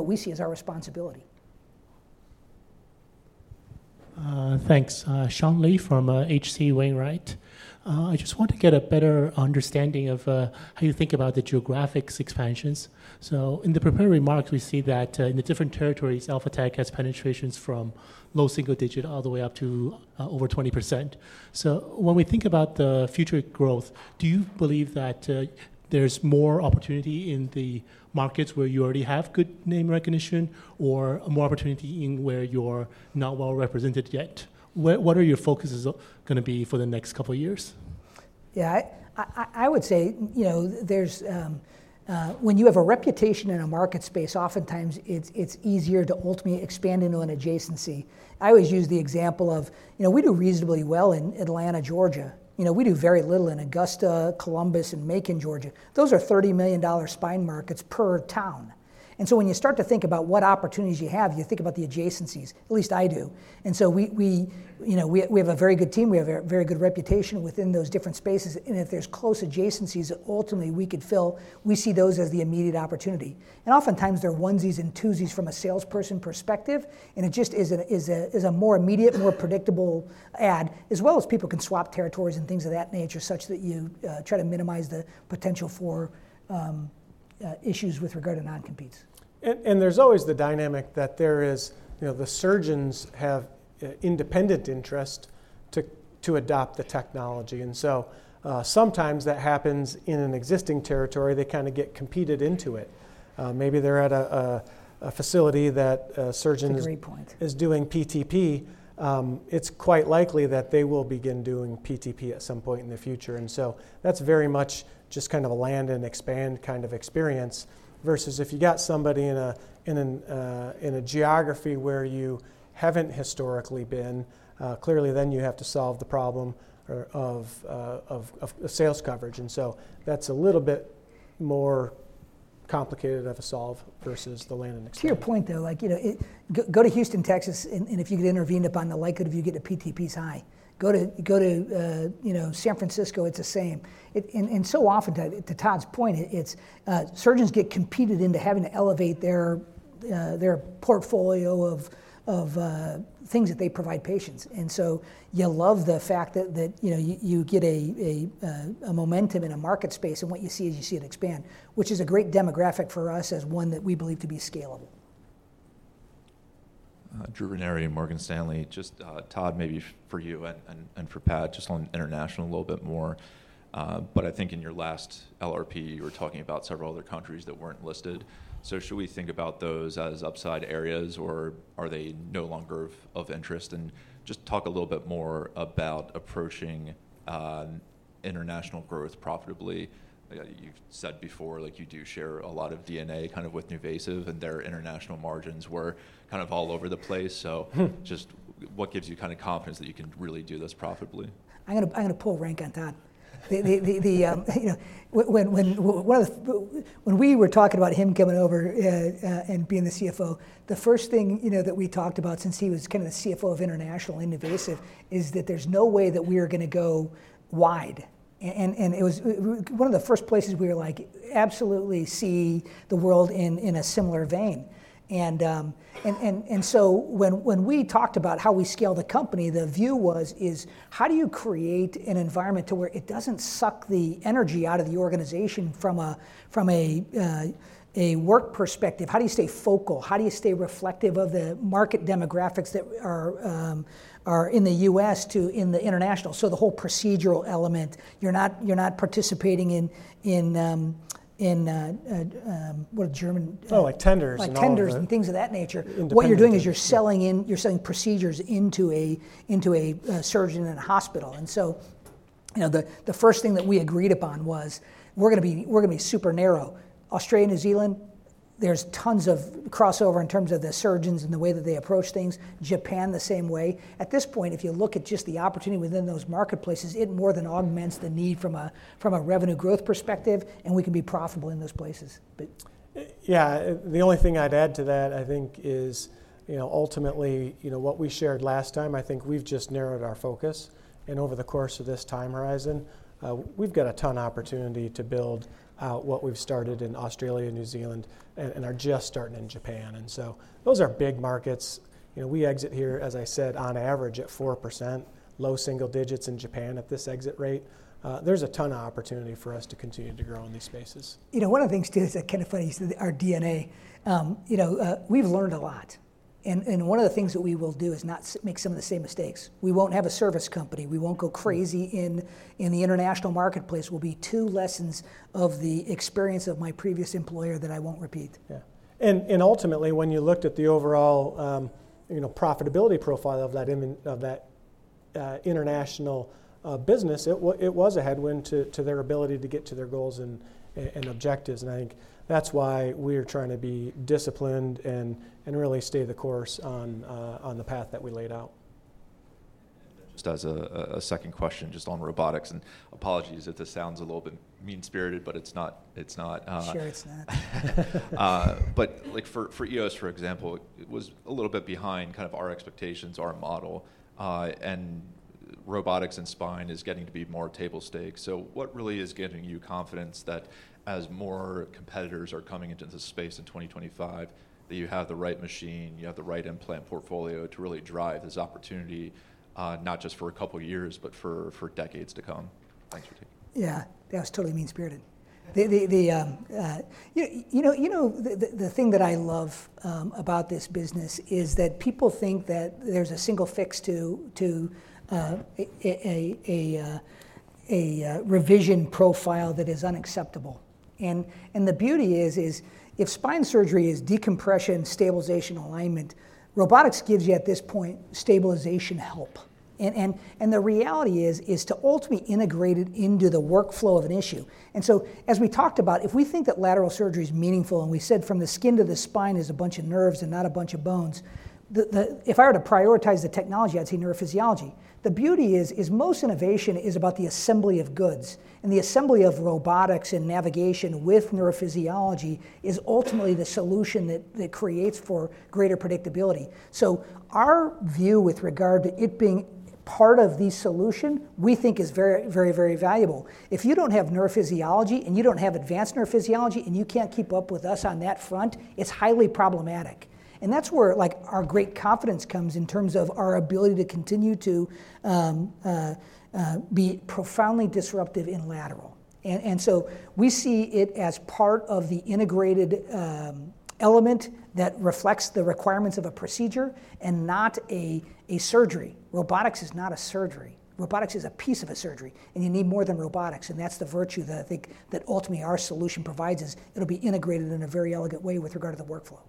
we see as our responsibility. Thanks. Sean Lee from H.C. Wainwright. I just want to get a better understanding of how you think about the geographic expansions. So in the prepared remarks, we see that in the different territories, Alphatec has penetrations from low single digit all the way up to over 20%. So when we think about the future growth, do you believe that there's more opportunity in the markets where you already have good name recognition or more opportunity in where you're not well represented yet? What are your focuses going to be for the next couple of years? Yeah. I would say when you have a reputation in a market space, oftentimes, it's easier to ultimately expand into an adjacency. I always use the example of we do reasonably well in Atlanta, Georgia. We do very little in Augusta, Columbus, and Macon, Georgia. Those are $30 million spine markets per town. And so when you start to think about what opportunities you have, you think about the adjacencies, at least I do. And so we have a very good team. We have a very good reputation within those different spaces. And if there's close adjacencies, ultimately, we could fill. We see those as the immediate opportunity. And oftentimes, they're onesies and twosies from a salesperson perspective. It just is a more immediate, more predictable add, as well as people can swap territories and things of that nature such that you try to minimize the potential for issues with regard to non-competes. There's always the dynamic that the surgeons have independent interest to adopt the technology. So sometimes, that happens in an existing territory. They kind of get competed into it. Maybe they're at a facility that a surgeon. Great point. Is doing PTP. It's quite likely that they will begin doing PTP at some point in the future. And so that's very much just kind of a land and expand kind of experience versus if you got somebody in a geography where you haven't historically been, clearly, then you have to solve the problem of sales coverage. And so that's a little bit more complicated to solve versus the land and expand. To your point, though, go to Houston, Texas. And if you get intervened upon, the likelihood of you getting a PTP is high. Go to San Francisco, it's the same. And so often, to Todd's point, surgeons get competed into having to elevate their portfolio of things that they provide patients. And so you love the fact that you get a momentum in a market space. And what you see is you see it expand, which is a great demographic for us as one that we believe to be scalable. Drew Ranieri, Morgan Stanley. Just Todd, maybe for you and for Pat, just on international a little bit more. But I think in your last LRP, you were talking about several other countries that weren't listed. So should we think about those as upside areas? Or are they no longer of interest? And just talk a little bit more about approaching international growth profitably. You've said before you do share a lot of DNA kind of with NuVasive. And their international margins were kind of all over the place. So just what gives you kind of confidence that you can really do this profitably? I'm going to pull rank on that. When we were talking about him coming over and being the CFO, the first thing that we talked about since he was kind of the CFO of international in NuVasive is that there's no way that we are going to go wide. And it was one of the first places we were like, absolutely see the world in a similar vein. And so when we talked about how we scale the company, the view was, how do you create an environment to where it doesn't suck the energy out of the organization from a work perspective? How do you stay focal? How do you stay reflective of the market demographics that are in the U.S. too in the international? So the whole procedural element, you're not participating in, what are the German? Oh, like tenders and all that. Like tenders and things of that nature. What you're doing is you're selling procedures into a surgeon in a hospital. And so the first thing that we agreed upon was, we're going to be super narrow. Australia, New Zealand, there's tons of crossover in terms of the surgeons and the way that they approach things. Japan, the same way. At this point, if you look at just the opportunity within those marketplaces, it more than augments the need from a revenue growth perspective. And we can be profitable in those places. Yeah. The only thing I'd add to that, I think, is ultimately, what we shared last time, I think we've just narrowed our focus. And over the course of this time horizon, we've got a ton of opportunity to build out what we've started in Australia and New Zealand and are just starting in Japan. And so those are big markets. We exit here, as I said, on average at 4%, low single digits in Japan at this exit rate. There's a ton of opportunity for us to continue to grow in these spaces. You know, one of the things, too, that's kind of funny is our DNA. We've learned a lot. One of the things that we will do is not make some of the same mistakes. We won't have a service company. We won't go crazy in the international marketplace. It will be two lessons of the experience of my previous employer that I won't repeat. Yeah. Ultimately, when you looked at the overall profitability profile of that international business, it was a headwind to their ability to get to their goals and objectives. I think that's why we are trying to be disciplined and really stay the course on the path that we laid out. Just as a second question, just on robotics. Apologies if this sounds a little bit mean-spirited, but it's not. Sure, it's not. But for EOS, for example, it was a little bit behind kind of our expectations, our model. And robotics and spine is getting to be more table stakes. So what really is giving you confidence that as more competitors are coming into this space in 2025, that you have the right machine, you have the right implant portfolio to really drive this opportunity, not just for a couple of years, but for decades to come? Thanks for taking it. Yeah. That was totally mean-spirited. You know, the thing that I love about this business is that people think that there's a single fix to a revision profile that is unacceptable. The beauty is if spine surgery is decompression, stabilization, alignment, robotics gives you, at this point, stabilization help. The reality is to ultimately integrate it into the workflow of an issue. So as we talked about, if we think that lateral surgery is meaningful and we said from the skin to the spine is a bunch of nerves and not a bunch of bones, if I were to prioritize the technology, I'd say neurophysiology. The beauty is most innovation is about the assembly of goods. The assembly of robotics and navigation with neurophysiology is ultimately the solution that creates for greater predictability. So our view with regard to it being part of the solution, we think, is very, very, very valuable. If you don't have neurophysiology and you don't have advanced neurophysiology and you can't keep up with us on that front, it's highly problematic. And that's where our great confidence comes in terms of our ability to continue to be profoundly disruptive in lateral. And so we see it as part of the integrated element that reflects the requirements of a procedure and not a surgery. Robotics is not a surgery. Robotics is a piece of a surgery. And you need more than robotics. And that's the virtue that ultimately our solution provides is it'll be integrated in a very elegant way with regard to the workflow.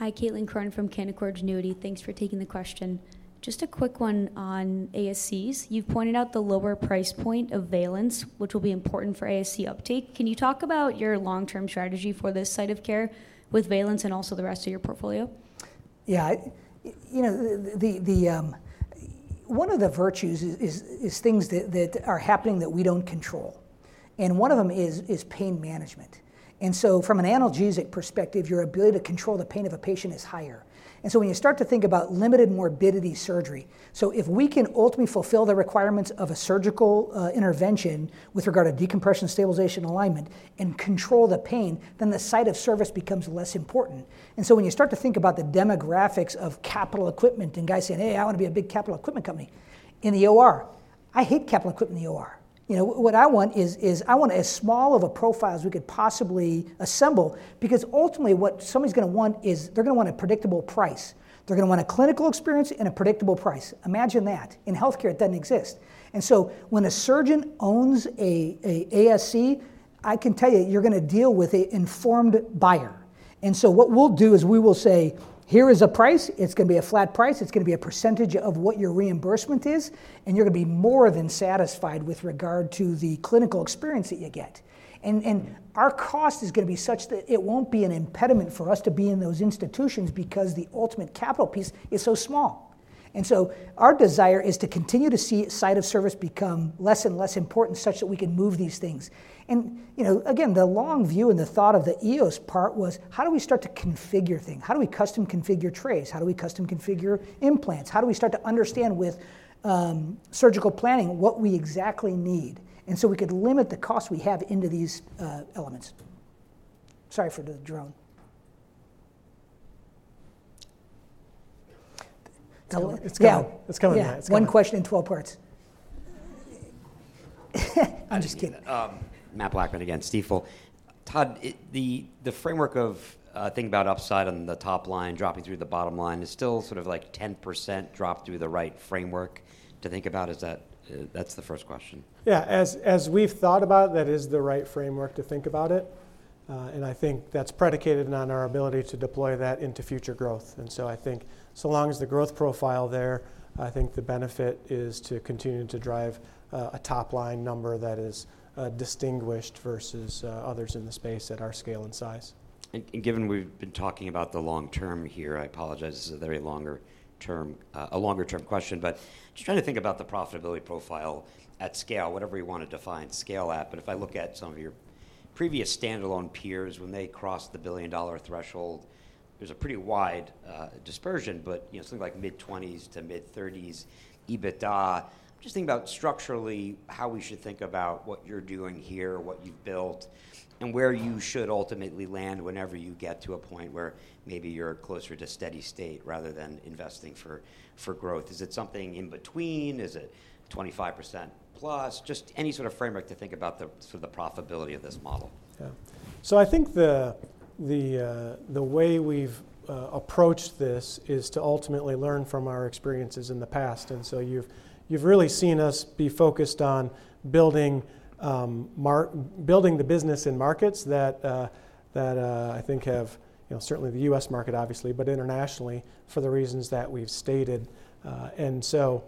Hi, Caitlin Cronin from Canaccord Genuity. Thanks for taking the question. Just a quick one on ASCs. You've pointed out the lower price point of Valence, which will be important for ASC uptake. Can you talk about your long-term strategy for this site of care with Valence and also the rest of your portfolio? Yeah. One of the virtues is things that are happening that we don't control. And one of them is pain management. And so from an analgesic perspective, your ability to control the pain of a patient is higher. And so when you start to think about limited morbidity surgery so if we can ultimately fulfill the requirements of a surgical intervention with regard to decompression, stabilization, alignment, and control the pain, then the site of service becomes less important. And so when you start to think about the demographics of capital equipment and guys saying, hey, I want to be a big capital equipment company in the OR, I hate capital equipment in the OR. What I want is I want as small of a profile as we could possibly assemble because ultimately, what somebody's going to want is they're going to want a predictable price. They're going to want a clinical experience and a predictable price. Imagine that. In health care, it doesn't exist. And so when a surgeon owns an ASC, I can tell you, you're going to deal with an informed buyer. And so what we'll do is we will say, here is a price. It's going to be a flat price. It's going to be a percentage of what your reimbursement is. And you're going to be more than satisfied with regard to the clinical experience that you get. And our cost is going to be such that it won't be an impediment for us to be in those institutions because the ultimate capital piece is so small. And so our desire is to continue to see site of service become less and less important such that we can move these things. And again, the long view and the thought of the EOS part was, how do we start to configure things? How do we custom configure trays? How do we custom configure implants? How do we start to understand with surgical planning what we exactly need? And so we could limit the costs we have into these elements. Sorry for the drone. It's coming. Yeah. One question in 12 parts. I'm just kidding. Matt Blackman again, Stifel. Todd, the framework of thinking about upside on the top line dropping through the bottom line is still sort of like 10% drop through the right framework to think about? That's the first question. Yeah. As we've thought about it, that is the right framework to think about it. I think that's predicated on our ability to deploy that into future growth. So I think so long as the growth profile is there, I think the benefit is to continue to drive a top line number that is distinguished versus others in the space at our scale and size. Given we've been talking about the long term here, I apologize. This is a very long-term question. But just trying to think about the profitability profile at scale, whatever you want to define, scale app. But if I look at some of your previous standalone peers, when they crossed the billion dollar threshold, there's a pretty wide dispersion. But something like mid-20s%-mid-30s% EBITDA, just think about structurally how we should think about what you're doing here, what you've built, and where you should ultimately land whenever you get to a point where maybe you're closer to steady state rather than investing for growth. Is it something in between? Is it 25% plus? Just any sort of framework to think about sort of the profitability of this model. Yeah. So I think the way we've approached this is to ultimately learn from our experiences in the past. And so you've really seen us be focused on building the business in markets that I think have certainly the U.S. market, obviously, but internationally for the reasons that we've stated. And so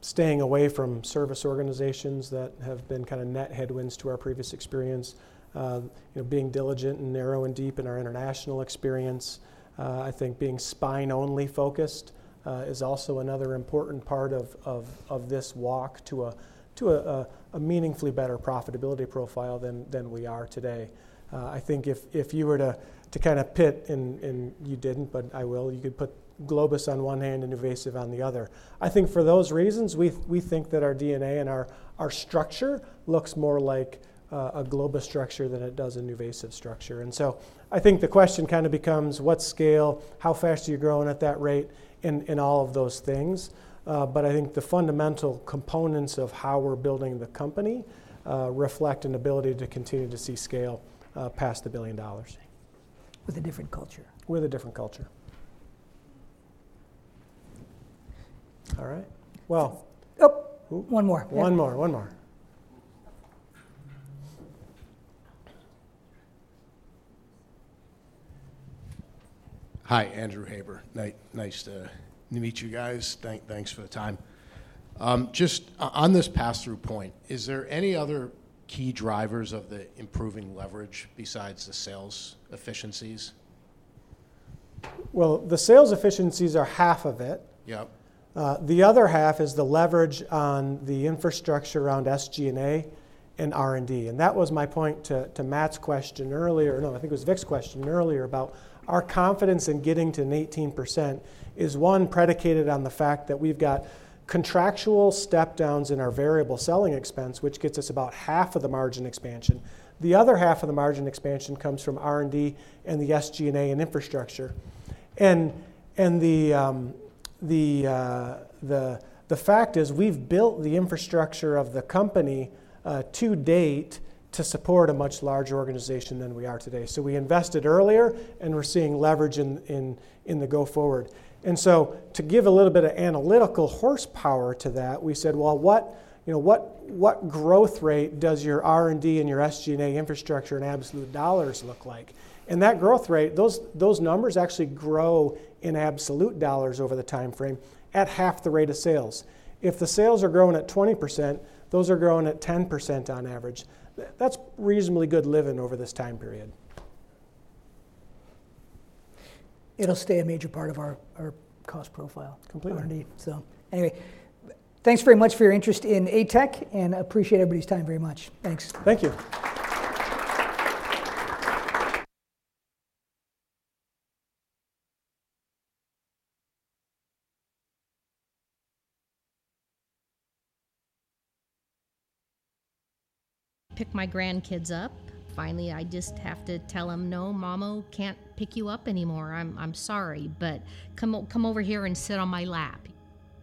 staying away from service organizations that have been kind of net headwinds to our previous experience, being diligent and narrow and deep in our international experience, I think being spine only focused is also another important part of this walk to a meaningfully better profitability profile than we are today. I think if you were to kind of pit and you didn't, but I will, you could put Globus on one hand and NuVasive on the other. I think for those reasons, we think that our DNA and our structure looks more like a Globus structure than it does a NuVasive structure. And so I think the question kind of becomes, what scale? How fast are you growing at that rate? And all of those things. But I think the fundamental components of how we're building the company reflect an ability to continue to see scale past the $1 billion. With a different culture. With a different culture. All right. Well. Oop. One more. One more. One more. Hi, Andrew Haber. Nice to meet you guys. Thanks for the time. Just on this pass-through point, is there any other key drivers of the improving leverage besides the sales efficiencies? Well, the sales efficiencies are half of it. The other half is the leverage on the infrastructure around SG&A and R&D. That was my point to Matt's question earlier no, I think it was Vik's question earlier about our confidence in getting to an 18% is, one, predicated on the fact that we've got contractual step-downs in our variable selling expense, which gets us about half of the margin expansion. The other half of the margin expansion comes from R&D and the SG&A and infrastructure. The fact is we've built the infrastructure of the company to date to support a much larger organization than we are today. We invested earlier. We're seeing leverage in the go-forward. To give a little bit of analytical horsepower to that, we said, well, what growth rate does your R&D and your SG&A infrastructure in absolute dollars look like? That growth rate, those numbers actually grow in absolute dollars over the time frame at half the rate of sales. If the sales are growing at 20%, those are growing at 10% on average. That's reasonably good living over this time period. It'll stay a major part of our cost profile. Completely. Anyway, thanks very much for your interest in ATEC. Appreciate everybody's time very much. Thanks. Thank you. Pick my grandkids up. Finally, I just have to tell them, no, Mommo can't pick you up anymore. I'm sorry. But come over here and sit on my lap.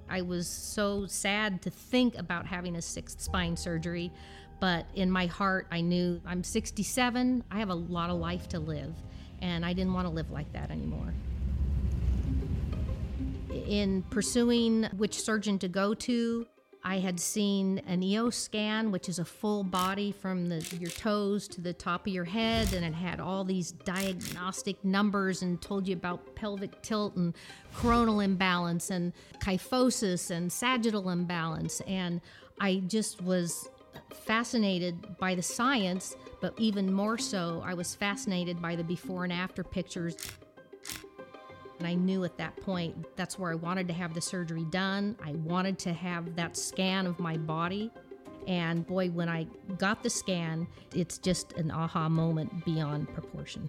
I was so sad to think about having a sixth spine surgery. But in my heart, I knew I'm 67. I have a lot of life to live. And I didn't want to live like that anymore. In pursuing which surgeon to go to, I had seen an EOS scan, which is a full body from your toes to the top of your head. And it had all these diagnostic numbers and told you about pelvic tilt and coronal imbalance and kyphosis and sagittal imbalance. And I just was fascinated by the science. But even more so, I was fascinated by the before and after pictures. And I knew at that point that's where I wanted to have the surgery done. I wanted to have that scan of my body. And boy, when I got the scan, it's just an aha moment beyond proportion.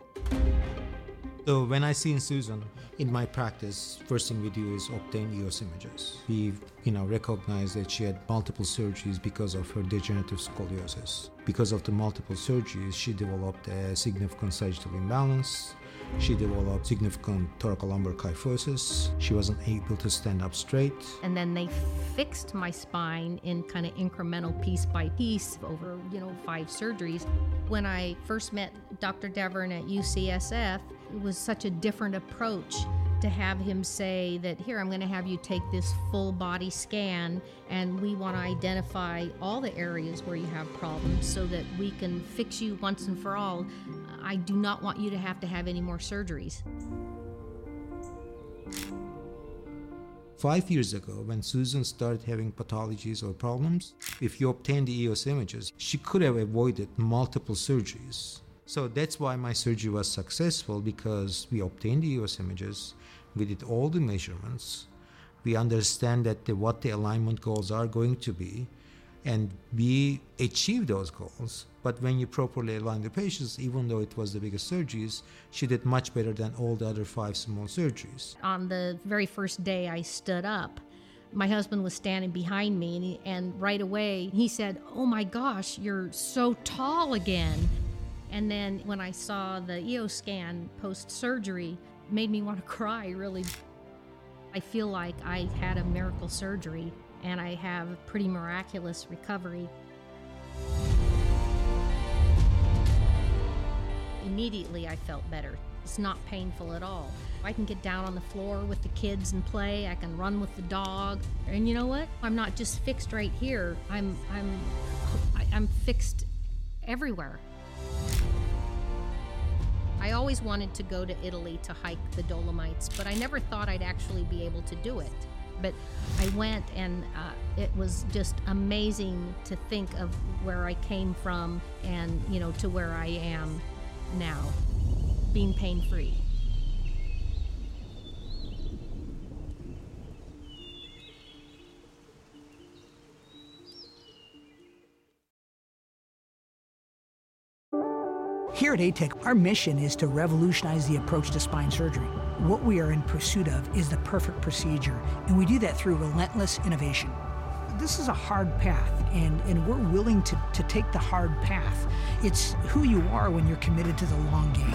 So when I see Susan in my practice, first thing we do is obtain EOS images. We recognize that she had multiple surgeries because of her degenerative scoliosis. Because of the multiple surgeries, she developed a significant sagittal imbalance. She developed significant thoracolumbar kyphosis. She wasn't able to stand up straight. And then they fixed my spine in kind of incremental piece by piece over five surgeries. When I first met Dr. Deviren at UCSF, it was such a different approach to have him say that, here, I'm going to have you take this full body scan. And we want to identify all the areas where you have problems so that we can fix you once and for all. I do not want you to have to have any more surgeries. Five years ago, when Susan started having pathologies or problems, if you obtained the EOS images, she could have avoided multiple surgeries. So that's why my surgery was successful because we obtained the EOS images. We did all the measurements. We understand what the alignment goals are going to be. And we achieved those goals. But when you properly align the patients, even though it was the biggest surgeries, she did much better than all the other five small surgeries. On the very first day I stood up, my husband was standing behind me. Right away, he said, oh, my gosh, you're so tall again. Then when I saw the EOS scan post-surgery, it made me want to cry, really. I feel like I had a miracle surgery. I have a pretty miraculous recovery. Immediately, I felt better. It's not painful at all. I can get down on the floor with the kids and play. I can run with the dog. You know what? I'm not just fixed right here. I'm fixed everywhere. I always wanted to go to Italy to hike the Dolomites. I never thought I'd actually be able to do it. I went. It was just amazing to think of where I came from and to where I am now, being pain-free. Here at ATEC, our mission is to revolutionize the approach to spine surgery. What we are in pursuit of is the perfect procedure. We do that through relentless innovation. This is a hard path. We're willing to take the hard path. It's who you are when you're committed to the long game.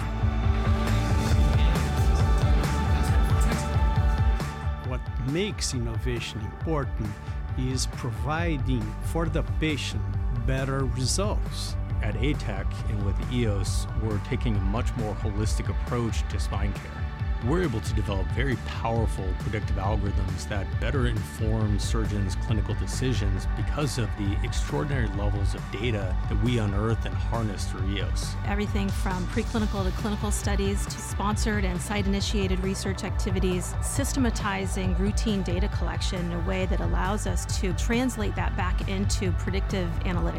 What makes innovation important is providing for the patient better results. At ATEC and with EOS, we're taking a much more holistic approach to spine care. We're able to develop very powerful predictive algorithms that better inform surgeons' clinical decisions because of the extraordinary levels of data that we unearth and harness through EOS. Everything from preclinical to clinical studies to sponsored and site-initiated research activities, systematizing routine data collection in a way that allows us to translate that back into predictive analytics.